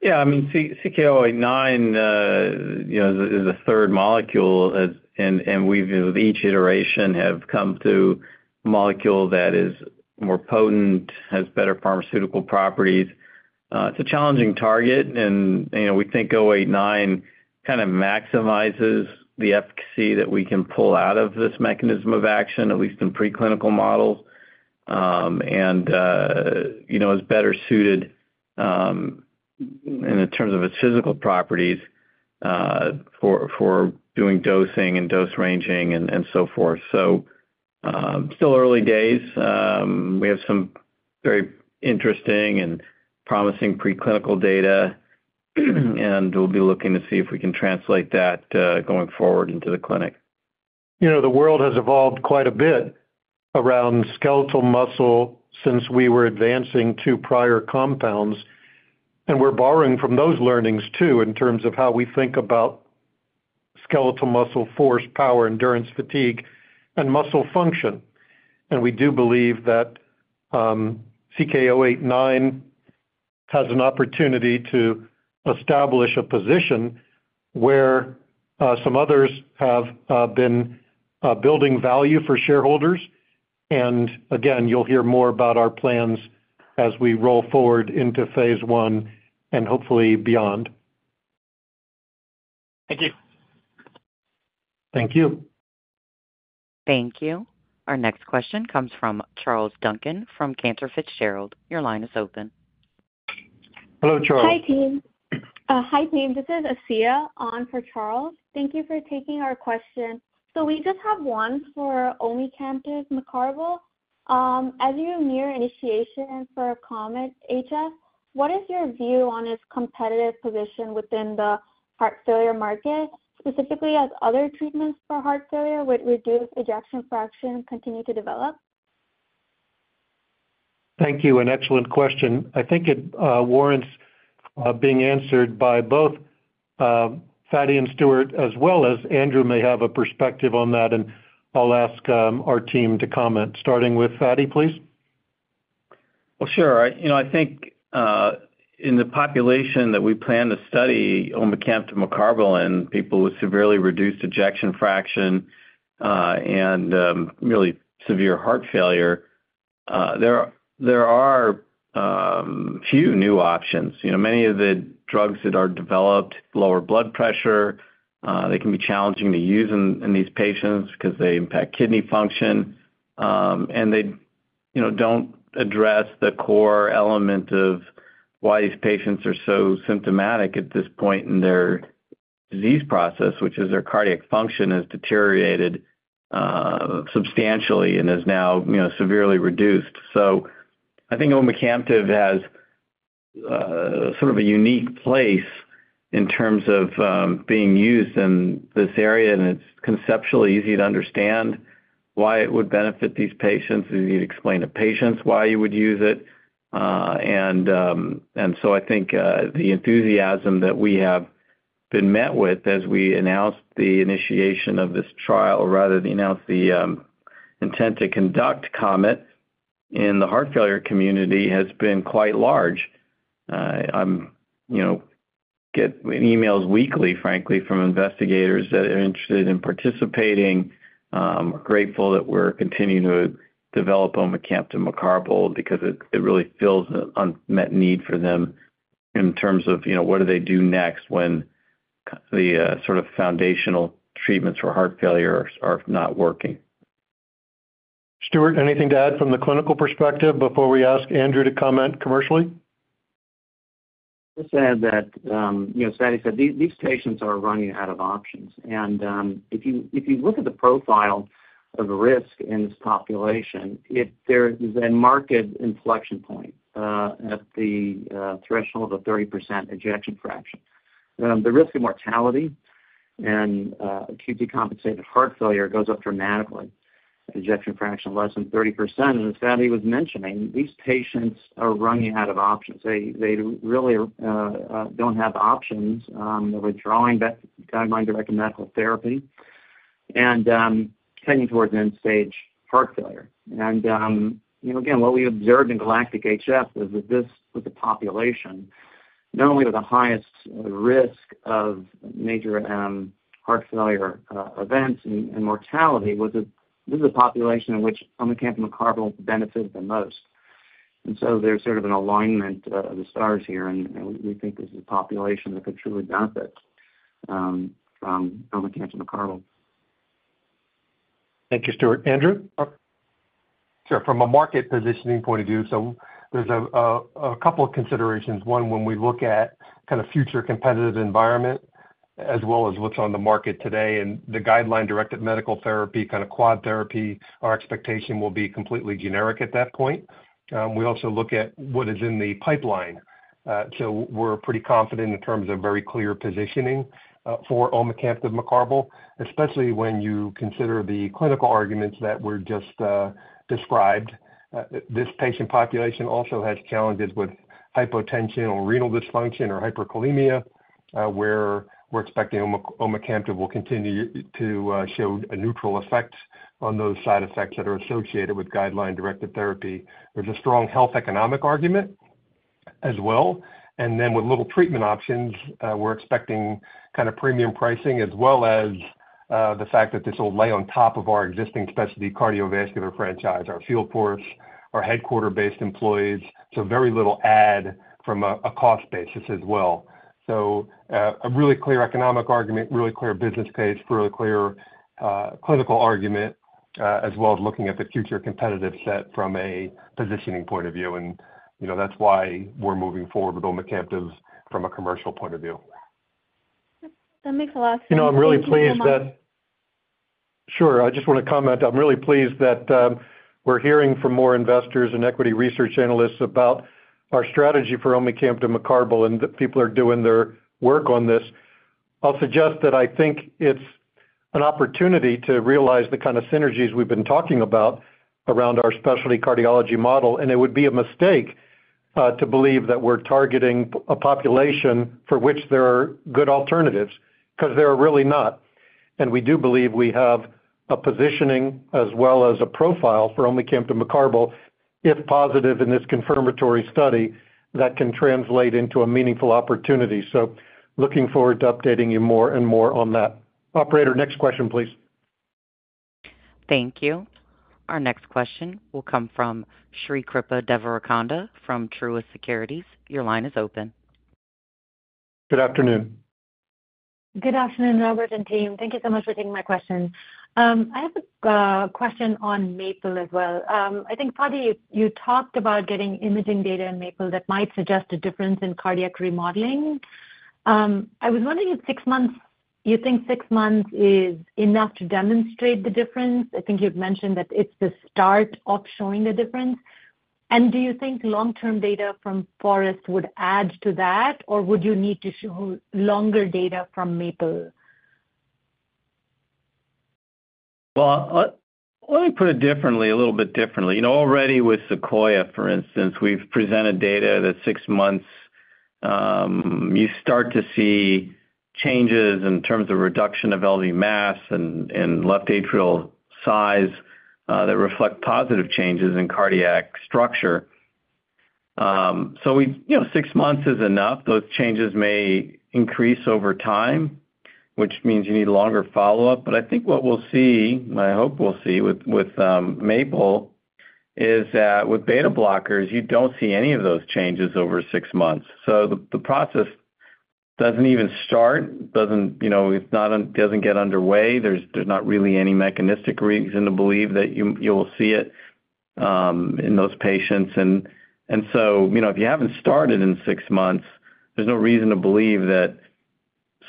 Yeah. I mean, CK-089 is a third molecule, and we've, with each iteration, come to a molecule that is more potent, has better pharmaceutical properties. It's a challenging target, and we think 089 kind of maximizes the efficacy that we can pull out of this mechanism of action, at least in preclinical models, and is better suited in terms of its physical properties for doing dosing and dose ranging and so forth. So still early days. We have some very interesting and promising preclinical data, and we'll be looking to see if we can translate that going forward into the clinic. The world has evolved quite a bit around skeletal muscle since we were advancing to prior compounds, and we're borrowing from those learnings too in terms of how we think about skeletal muscle force, power, endurance, fatigue, and muscle function, and we do believe that CK-089 has an opportunity to establish a position where some others have been building value for shareholders, and again, you'll hear more about our plans as we roll forward into phase I and hopefully beyond. Thank you. Thank you. Thank you. Our next question comes from Charles Duncan from Cantor Fitzgerald. Your line is open. Hello, Charles. Hi, team. This is Asiya on for Charles. Thank you for taking our question. So we just have one for omecamtiv mecarbil. As you near initiation for COMET-HF, what is your view on its competitive position within the heart failure market, specifically as other treatments for heart failure with reduced ejection fraction continue to develop? Thank you. An excellent question. I think it warrants being answered by both Fady and Stuart, as well as Andrew, may have a perspective on that. And I'll ask our team to comment. Starting with Fady, please. Sure. I think in the population that we plan to study, omecamtiv mecarbil in people with severely reduced ejection fraction and really severe heart failure, there are few new options. Many of the drugs that are developed lower blood pressure. They can be challenging to use in these patients because they impact kidney function. They don't address the core element of why these patients are so symptomatic at this point in their disease process, which is their cardiac function has deteriorated substantially and is now severely reduced. I think omecamtiv has sort of a unique place in terms of being used in this area, and it's conceptually easy to understand why it would benefit these patients. You'd explain to patients why you would use it. I think the enthusiasm that we have been met with as we announced the initiation of this trial, or rather the intent to conduct COMET-HF in the heart failure community has been quite large. I get emails weekly, frankly, from investigators that are interested in participating. We're grateful that we're continuing to develop omecamtiv mecarbil because it really fills an unmet need for them in terms of what do they do next when the sort of foundational treatments for heart failure are not working. Stuart, anything to add from the clinical perspective before we ask Andrew to comment commercially? Just to add that, as Fady said, these patients are running out of options. And if you look at the profile of risk in this population, there is a market inflection point at the threshold of 30% ejection fraction. The risk of mortality and acute decompensated heart failure goes up dramatically. Ejection fraction less than 30%. And as Fady was mentioning, these patients are running out of options. They really don't have options. They're withdrawing back to guideline-directed medical therapy and heading towards end-stage heart failure. And again, what we observed in GALACTIC-HF was that this was a population not only with the highest risk of major heart failure events and mortality, but this is a population in which Omecamtiv Mecarbil benefited the most. And so there's sort of an alignment of the stars here, and we think this is a population that could truly benefit from Omecamtiv Mecarbil. Thank you, Stuart. Andrew? Sure. From a market positioning point of view, so there's a couple of considerations. One, when we look at kind of future competitive environment as well as what's on the market today and the guideline-directed medical therapy, kind of quad therapy, our expectation will be completely generic at that point. We also look at what is in the pipeline. So we're pretty confident in terms of very clear positioning for omecamtiv mecarbil, especially when you consider the clinical arguments that were just described. This patient population also has challenges with hypotension or renal dysfunction or hyperkalemia where we're expecting omecamtiv mecarbil will continue to show a neutral effect on those side effects that are associated with guideline-directed therapy. There's a strong health economic argument as well. And then with little treatment options, we're expecting kind of premium pricing as well as the fact that this will lay on top of our existing specialty cardiovascular franchise, our field force, our headquarters-based employees. So very little add from a cost basis as well. So a really clear economic argument, really clear business case, really clear clinical argument as well as looking at the future competitive set from a positioning point of view. And that's why we're moving forward with omecamtiv mecarbil from a commercial point of view. That makes a lot of sense. Sure. I just want to comment. I'm really pleased that we're hearing from more investors and equity research analysts about our strategy for omecamtiv mecarbil and that people are doing their work on this. I'll suggest that I think it's an opportunity to realize the kind of synergies we've been talking about around our specialty cardiology model. And it would be a mistake to believe that we're targeting a population for which there are good alternatives because there are really not. And we do believe we have a positioning as well as a profile for omecamtiv mecarbil, if positive in this confirmatory study, that can translate into a meaningful opportunity. So looking forward to updating you more and more on that. Operator, next question, please. Thank you. Our next question will come from Srikripa Devarakonda from Truist Securities. Your line is open. Good afternoon. Good afternoon, Robert and team. Thank you so much for taking my question. I have a question on Maple as well. I think, Fady, you talked about getting imaging data in Maple that might suggest a difference in cardiac remodeling. I was wondering if six months, you think six months is enough to demonstrate the difference? I think you've mentioned that it's the start of showing the difference. And do you think long-term data from Forest would add to that, or would you need to show longer data from Maple? Let me put it differently, a little bit differently. Already with Sequoia, for instance, we've presented data that six months, you start to see changes in terms of reduction of LV mass and left atrial size that reflect positive changes in cardiac structure. So six months is enough. Those changes may increase over time, which means you need longer follow-up. But I think what we'll see, I hope we'll see with Maple is that with beta-blockers, you don't see any of those changes over six months. So the process doesn't even start. It doesn't get underway. There's not really any mechanistic reason to believe that you will see it in those patients. If you haven't started in six months, there's no reason to believe that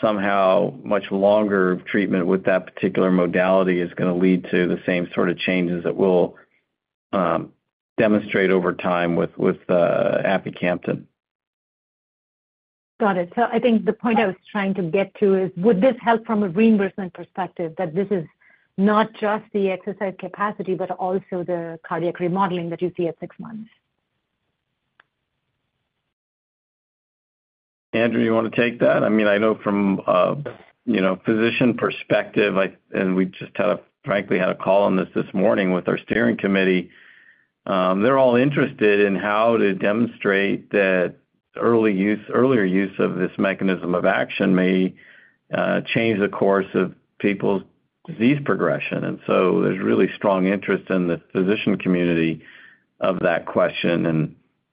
somehow much longer treatment with that particular modality is going to lead to the same sort of changes that we'll demonstrate over time with aficamten. Got it. So I think the point I was trying to get to is, would this help from a reimbursement perspective that this is not just the exercise capacity, but also the cardiac remodeling that you see at six months? Andrew, you want to take that? I mean, I know from a physician perspective, and we just had a, frankly, call on this morning with our steering committee. They're all interested in how to demonstrate that earlier use of this mechanism of action may change the course of people's disease progression. And so there's really strong interest in the physician community of that question.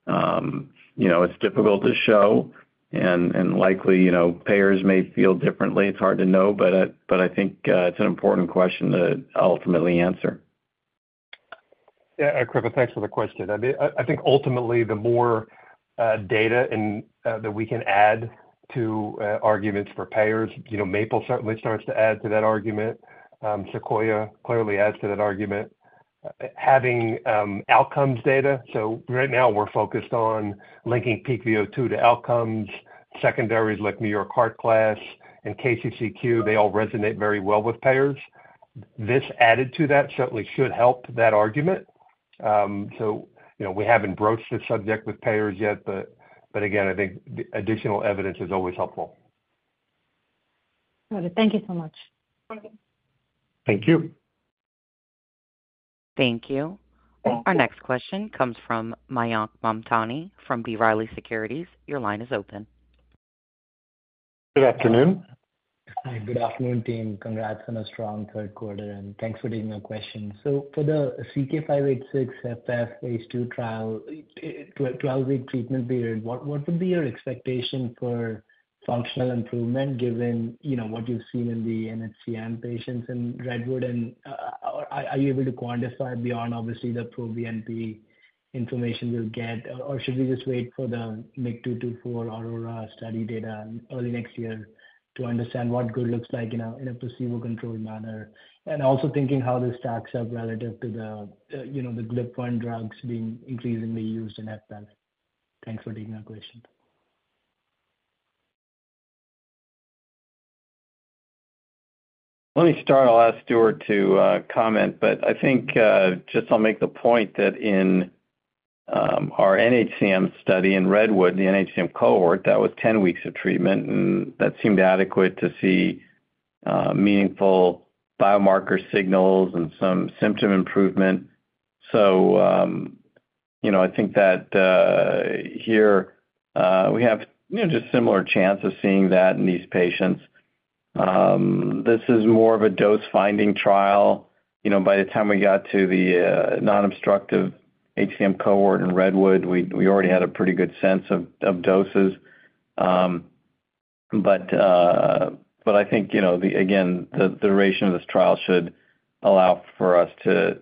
And it's difficult to show, and likely payers may feel differently. It's hard to know, but I think it's an important question to ultimately answer. Yeah. Kripa, thanks for the question. I think ultimately, the more data that we can add to arguments for payers, Maple certainly starts to add to that argument. Sequoia clearly adds to that argument. Having outcomes data. So right now, we're focused on linking peak VO2 to outcomes. Secondaries like New York Heart Association class and KCCQ, they all resonate very well with payers. This added to that certainly should help that argument. So we haven't broached this subject with payers yet, but again, I think additional evidence is always helpful. Got it. Thank you so much. Thank you. Thank you. Our next question comes from Mayank Mamtani from B. Riley Securities. Your line is open. Good afternoon. Hi. Good afternoon, team. Congrats on a strong Q3, and thanks for taking our question. For the CK-586 HFpEF phase II trial, 12-week treatment period, what would be your expectation for functional improvement given what you've seen in the nHCM patients in Redwood? And are you able to quantify beyond, obviously, the ProBNP information you'll get? Or should we just wait for the MYK-224 AURORA study data early next year to understand what good looks like in a placebo-controlled manner? And also thinking how this stacks up relative to the GLP-1 drugs being increasingly used in HFpEF. Thanks for taking our question. Let me start. I'll ask Stuart to comment, but I think just I'll make the point that in our NHCM study in Redwood, the NHCM cohort, that was 10 weeks of treatment, and that seemed adequate to see meaningful biomarker signals and some symptom improvement. So I think that here we have just a similar chance of seeing that in these patients. This is more of a dose-finding trial. By the time we got to the non-obstructive HCM cohort in Redwood, we already had a pretty good sense of doses. But I think, again, the duration of this trial should allow for us to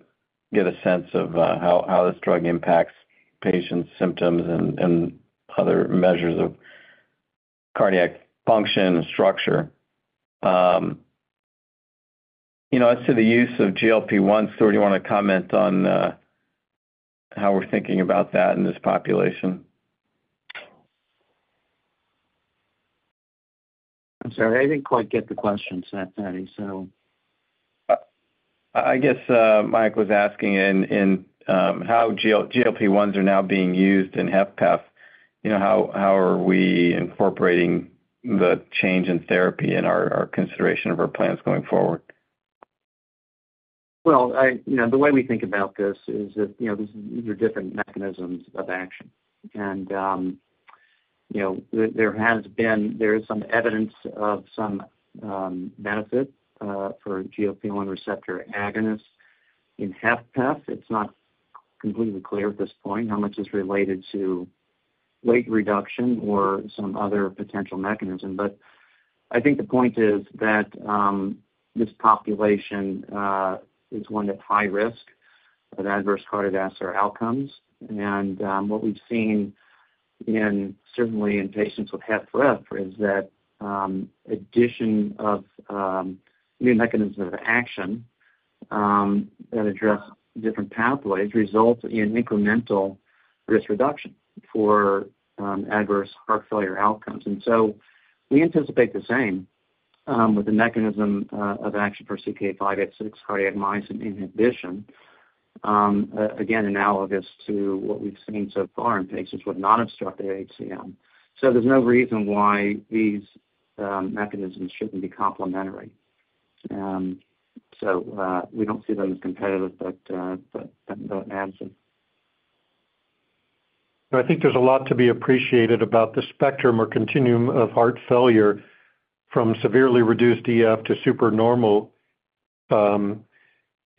get a sense of how this drug impacts patients' symptoms and other measures of cardiac function and structure. As to the use of GLP-1, Stuart, do you want to comment on how we're thinking about that in this population? I'm sorry. I didn't quite get the question set, Fady, so. I guess Mayank was asking how GLP-1s are now being used in HFpEF. How are we incorporating the change in therapy and our consideration of our plans going forward? Well, the way we think about this is that these are different mechanisms of action. And there has been some evidence of some benefit for GLP-1 receptor agonists in HFpEF. It's not completely clear at this point how much is related to weight reduction or some other potential mechanism. But I think the point is that this population is one that's high risk of adverse cardiovascular outcomes. And what we've seen, certainly in patients with HFpEF, is that addition of new mechanisms of action that address different pathways results in incremental risk reduction for adverse heart failure outcomes. And so we anticipate the same with the mechanism of action for CK-586 cardiac myosin inhibition, again, analogous to what we've seen so far in patients with non-obstructive HCM. So there's no reason why these mechanisms shouldn't be complementary. So we don't see them as competitive, but that adds it. I think there's a lot to be appreciated about the spectrum or continuum of heart failure from severely reduced EF to supernormal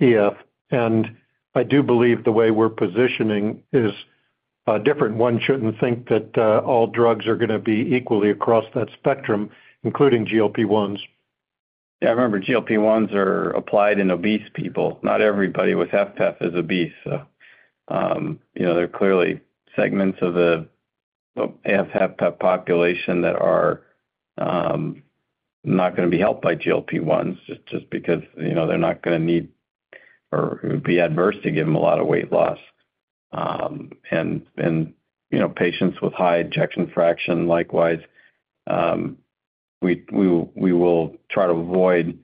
EF, and I do believe the way we're positioning is different. One shouldn't think that all drugs are going to be equally across that spectrum, including GLP-1s. Yeah. I remember GLP-1s are applied in obese people. Not everybody with HFpEF is obese. So there are clearly segments of the HFpEF population that are not going to be helped by GLP-1s just because they're not going to need or it would be adverse to give them a lot of weight loss, and patients with high ejection fraction, likewise, we will try to avoid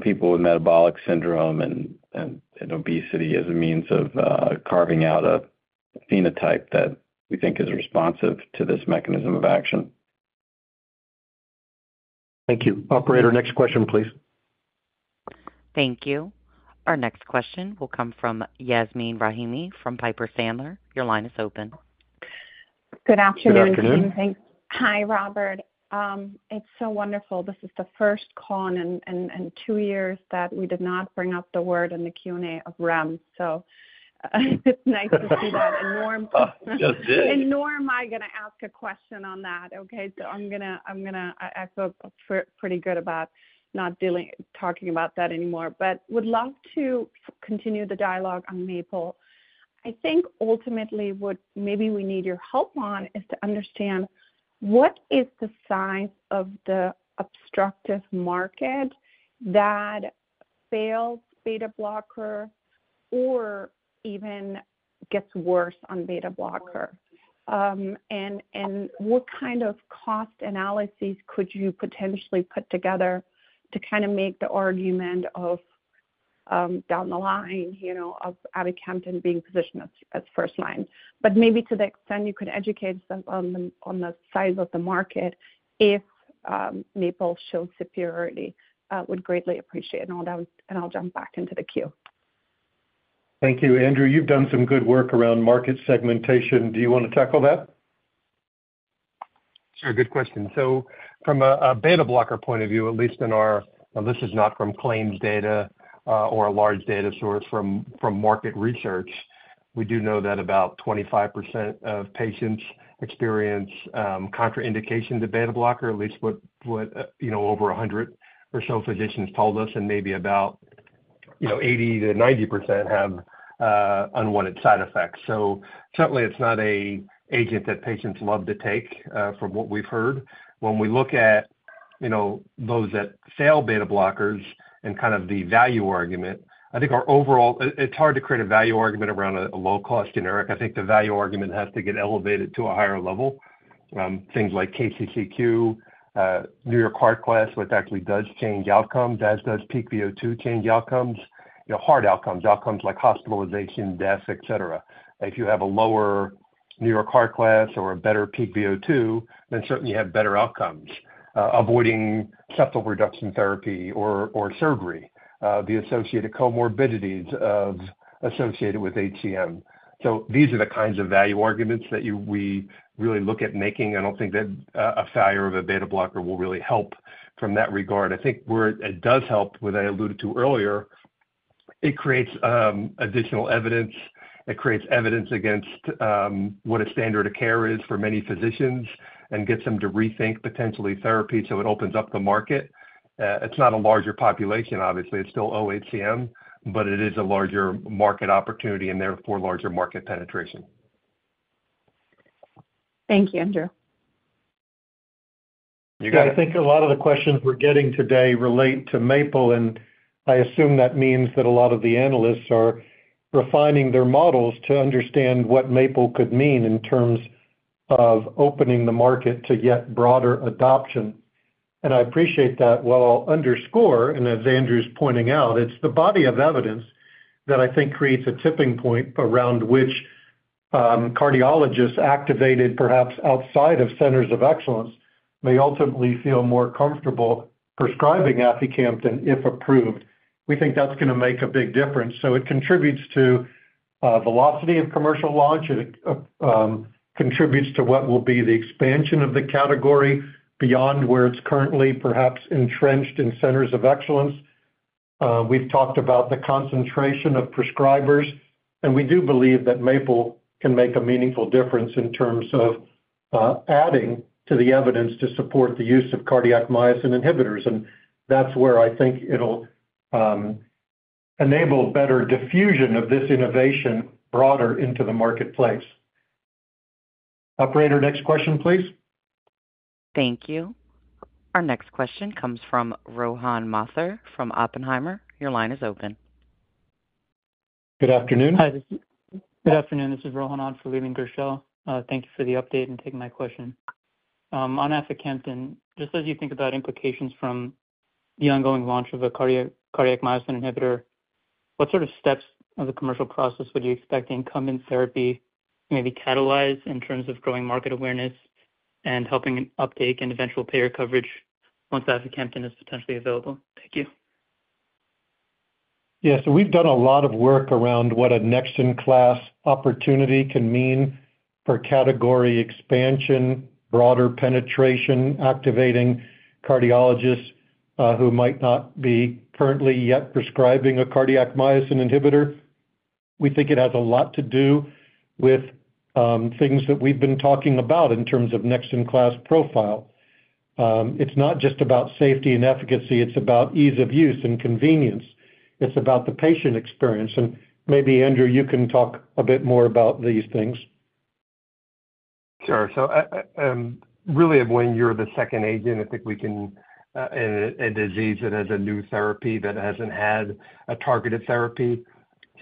people with metabolic syndrome and obesity as a means of carving out a phenotype that we think is responsive to this mechanism of action. Thank you. Operator, next question, please. Thank you. Our next question will come from Yasmeen Rahimi from Piper Sandler. Your line is open. Good afternoon. Good afternoon. Thanks. Hi, Robert. It's so wonderful. This is the first call in two years that we did not bring up the word in the Q&A of REMS, so it's nice to see that, and now. Oh, just did. Now, I'm going to ask a question on that, okay? I feel pretty good about not talking about that anymore, but would love to continue the dialogue on Maple. I think ultimately what maybe we need your help on is to understand what is the size of the obstructive market that fails beta-blocker or even gets worse on beta-blocker. What kind of cost analyses could you potentially put together to kind of make the argument of down the line of aficamten being positioned as first line? Maybe to the extent you could educate us on the size of the market, if Maple shows superiority, I would greatly appreciate it. I'll jump back into the queue. Thank you. Andrew, you've done some good work around market segmentation. Do you want to tackle that? Sure. Good question. So from a beta-blocker point of view, at least in our, and this is not from claims data or a large data source from market research, we do know that about 25% of patients experience contraindication to beta-blocker, at least what over 100 or so physicians told us, and maybe about 80% to 90% have unwanted side effects. So certainly, it's not an agent that patients love to take from what we've heard. When we look at those that fail beta-blockers and kind of the value argument, I think our overall, it's hard to create a value argument around a low-cost generic. I think the value argument has to get elevated to a higher level. Things like KCCQ, New York Heart Association class, which actually does change outcomes, as does peak VO2 change outcomes, hard outcomes, outcomes like hospitalization, death, etc. If you have a lower New York Heart Association Class or a better peak VO2, then certainly you have better outcomes, avoiding septal reduction therapy or surgery, the associated comorbidities associated with HCM. So these are the kinds of value arguments that we really look at making. I don't think that a failure of a beta-blocker will really help from that regard. I think where it does help, what I alluded to earlier, it creates additional evidence. It creates evidence against what a standard of care is for many physicians and gets them to rethink potentially therapy. So it opens up the market. It's not a larger population, obviously. It's still oHCM, but it is a larger market opportunity and therefore larger market penetration. Thank you, Andrew. You got it. I think a lot of the questions we're getting today relate to Maple, and I assume that means that a lot of the analysts are refining their models to understand what Maple could mean in terms of opening the market to yet broader adoption, and I appreciate that. What I'll underscore, and as Andrew's pointing out, it's the body of evidence that I think creates a tipping point around which cardiologists activated, perhaps outside of centers of excellence, may ultimately feel more comfortable prescribing aficamten if approved. We think that's going to make a big difference. So it contributes to velocity of commercial launch. It contributes to what will be the expansion of the category beyond where it's currently perhaps entrenched in centers of excellence. We've talked about the concentration of prescribers, and we do believe that MAPLE-HCM can make a meaningful difference in terms of adding to the evidence to support the use of cardiac myosin inhibitors. And that's where I think it'll enable better diffusion of this innovation broader into the marketplace. Operator, next question, please. Thank you. Our next question comes from Rohan Mathur from Oppenheimer. Your line is open. Good afternoon. Hi. Good afternoon. This is Rohan Mathur with Gershell. Thank you for the update and taking my question. On aficamten, just as you think about implications from the ongoing launch of a cardiac myosin inhibitor, what sort of steps of the commercial process would you expect the incumbent therapy maybe catalyze in terms of growing market awareness and helping uptake and eventual payer coverage once aficamten is potentially available? Thank you. Yeah, so we've done a lot of work around what a next-in-class opportunity can mean for category expansion, broader penetration, activating cardiologists who might not be currently yet prescribing a cardiac myosin inhibitor. We think it has a lot to do with things that we've been talking about in terms of next-in-class profile. It's not just about safety and efficacy. It's about ease of use and convenience. It's about the patient experience. And maybe, Andrew, you can talk a bit more about these things. Sure. So really, when you're the second agent, I think we can—and a disease that has a new therapy that hasn't had a targeted therapy,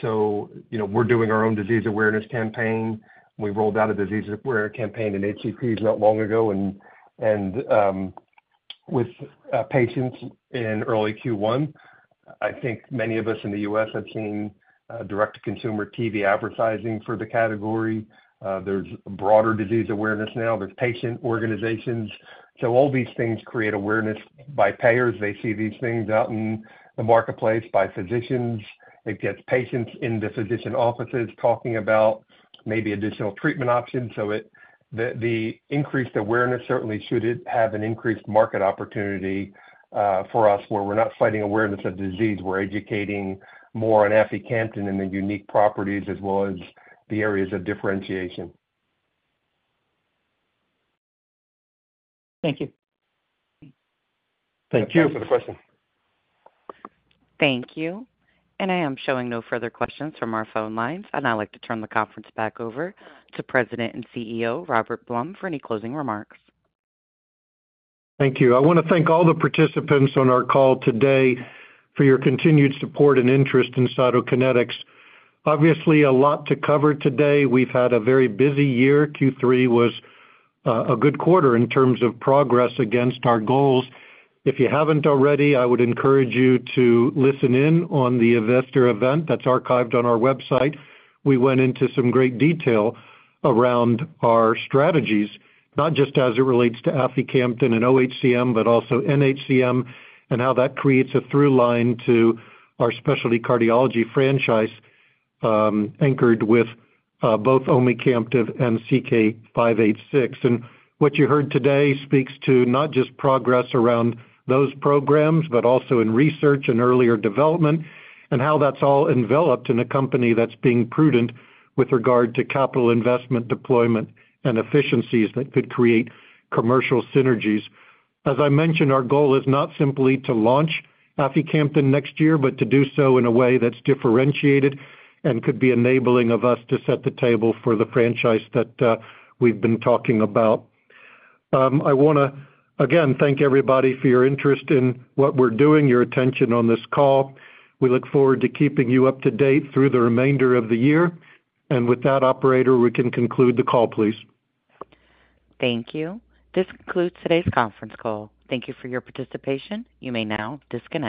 so we're doing our own disease awareness campaign. We rolled out a disease awareness campaign in HCPs not long ago, and with patients in early Q1, I think many of us in the U.S. have seen direct-to-consumer TV advertising for the category. There's broader disease awareness now. There's patient organizations, so all these things create awareness by payers. They see these things out in the marketplace. By physicians, it gets patients in the physician offices talking about maybe additional treatment options, so the increased awareness certainly should have an increased market opportunity for us where we're not fighting awareness of disease. We're educating more on aficamten and the unique properties as well as the areas of differentiation. Thank you. Thank you for the question. Thank you. I am showing no further questions from our phone lines. I'd like to turn the conference back over to President and CEO Robert Blum for any closing remarks. Thank you. I want to thank all the participants on our call today for your continued support and interest in Cytokinetics. Obviously, a lot to cover today. We've had a very busy year. Q3 was a good quarter in terms of progress against our goals. If you haven't already, I would encourage you to listen in on the Investor Event that's archived on our website. We went into some great detail around our strategies, not just as it relates to aficamten and oHCM, but also nHCM and how that creates a through line to our specialty cardiology franchise anchored with both omecamtiv mecarbil and CK-586. And what you heard today speaks to not just progress around those programs, but also in research and earlier development and how that's all enveloped in a company that's being prudent with regard to capital investment deployment and efficiencies that could create commercial synergies. As I mentioned, our goal is not simply to launch aficamten next year, but to do so in a way that's differentiated and could be enabling of us to set the table for the franchise that we've been talking about. I want to, again, thank everybody for your interest in what we're doing, your attention on this call. We look forward to keeping you up to date through the remainder of the year, and with that, Operator, we can conclude the call, please. Thank you. This concludes today's conference call. Thank you for your participation. You may now disconnect.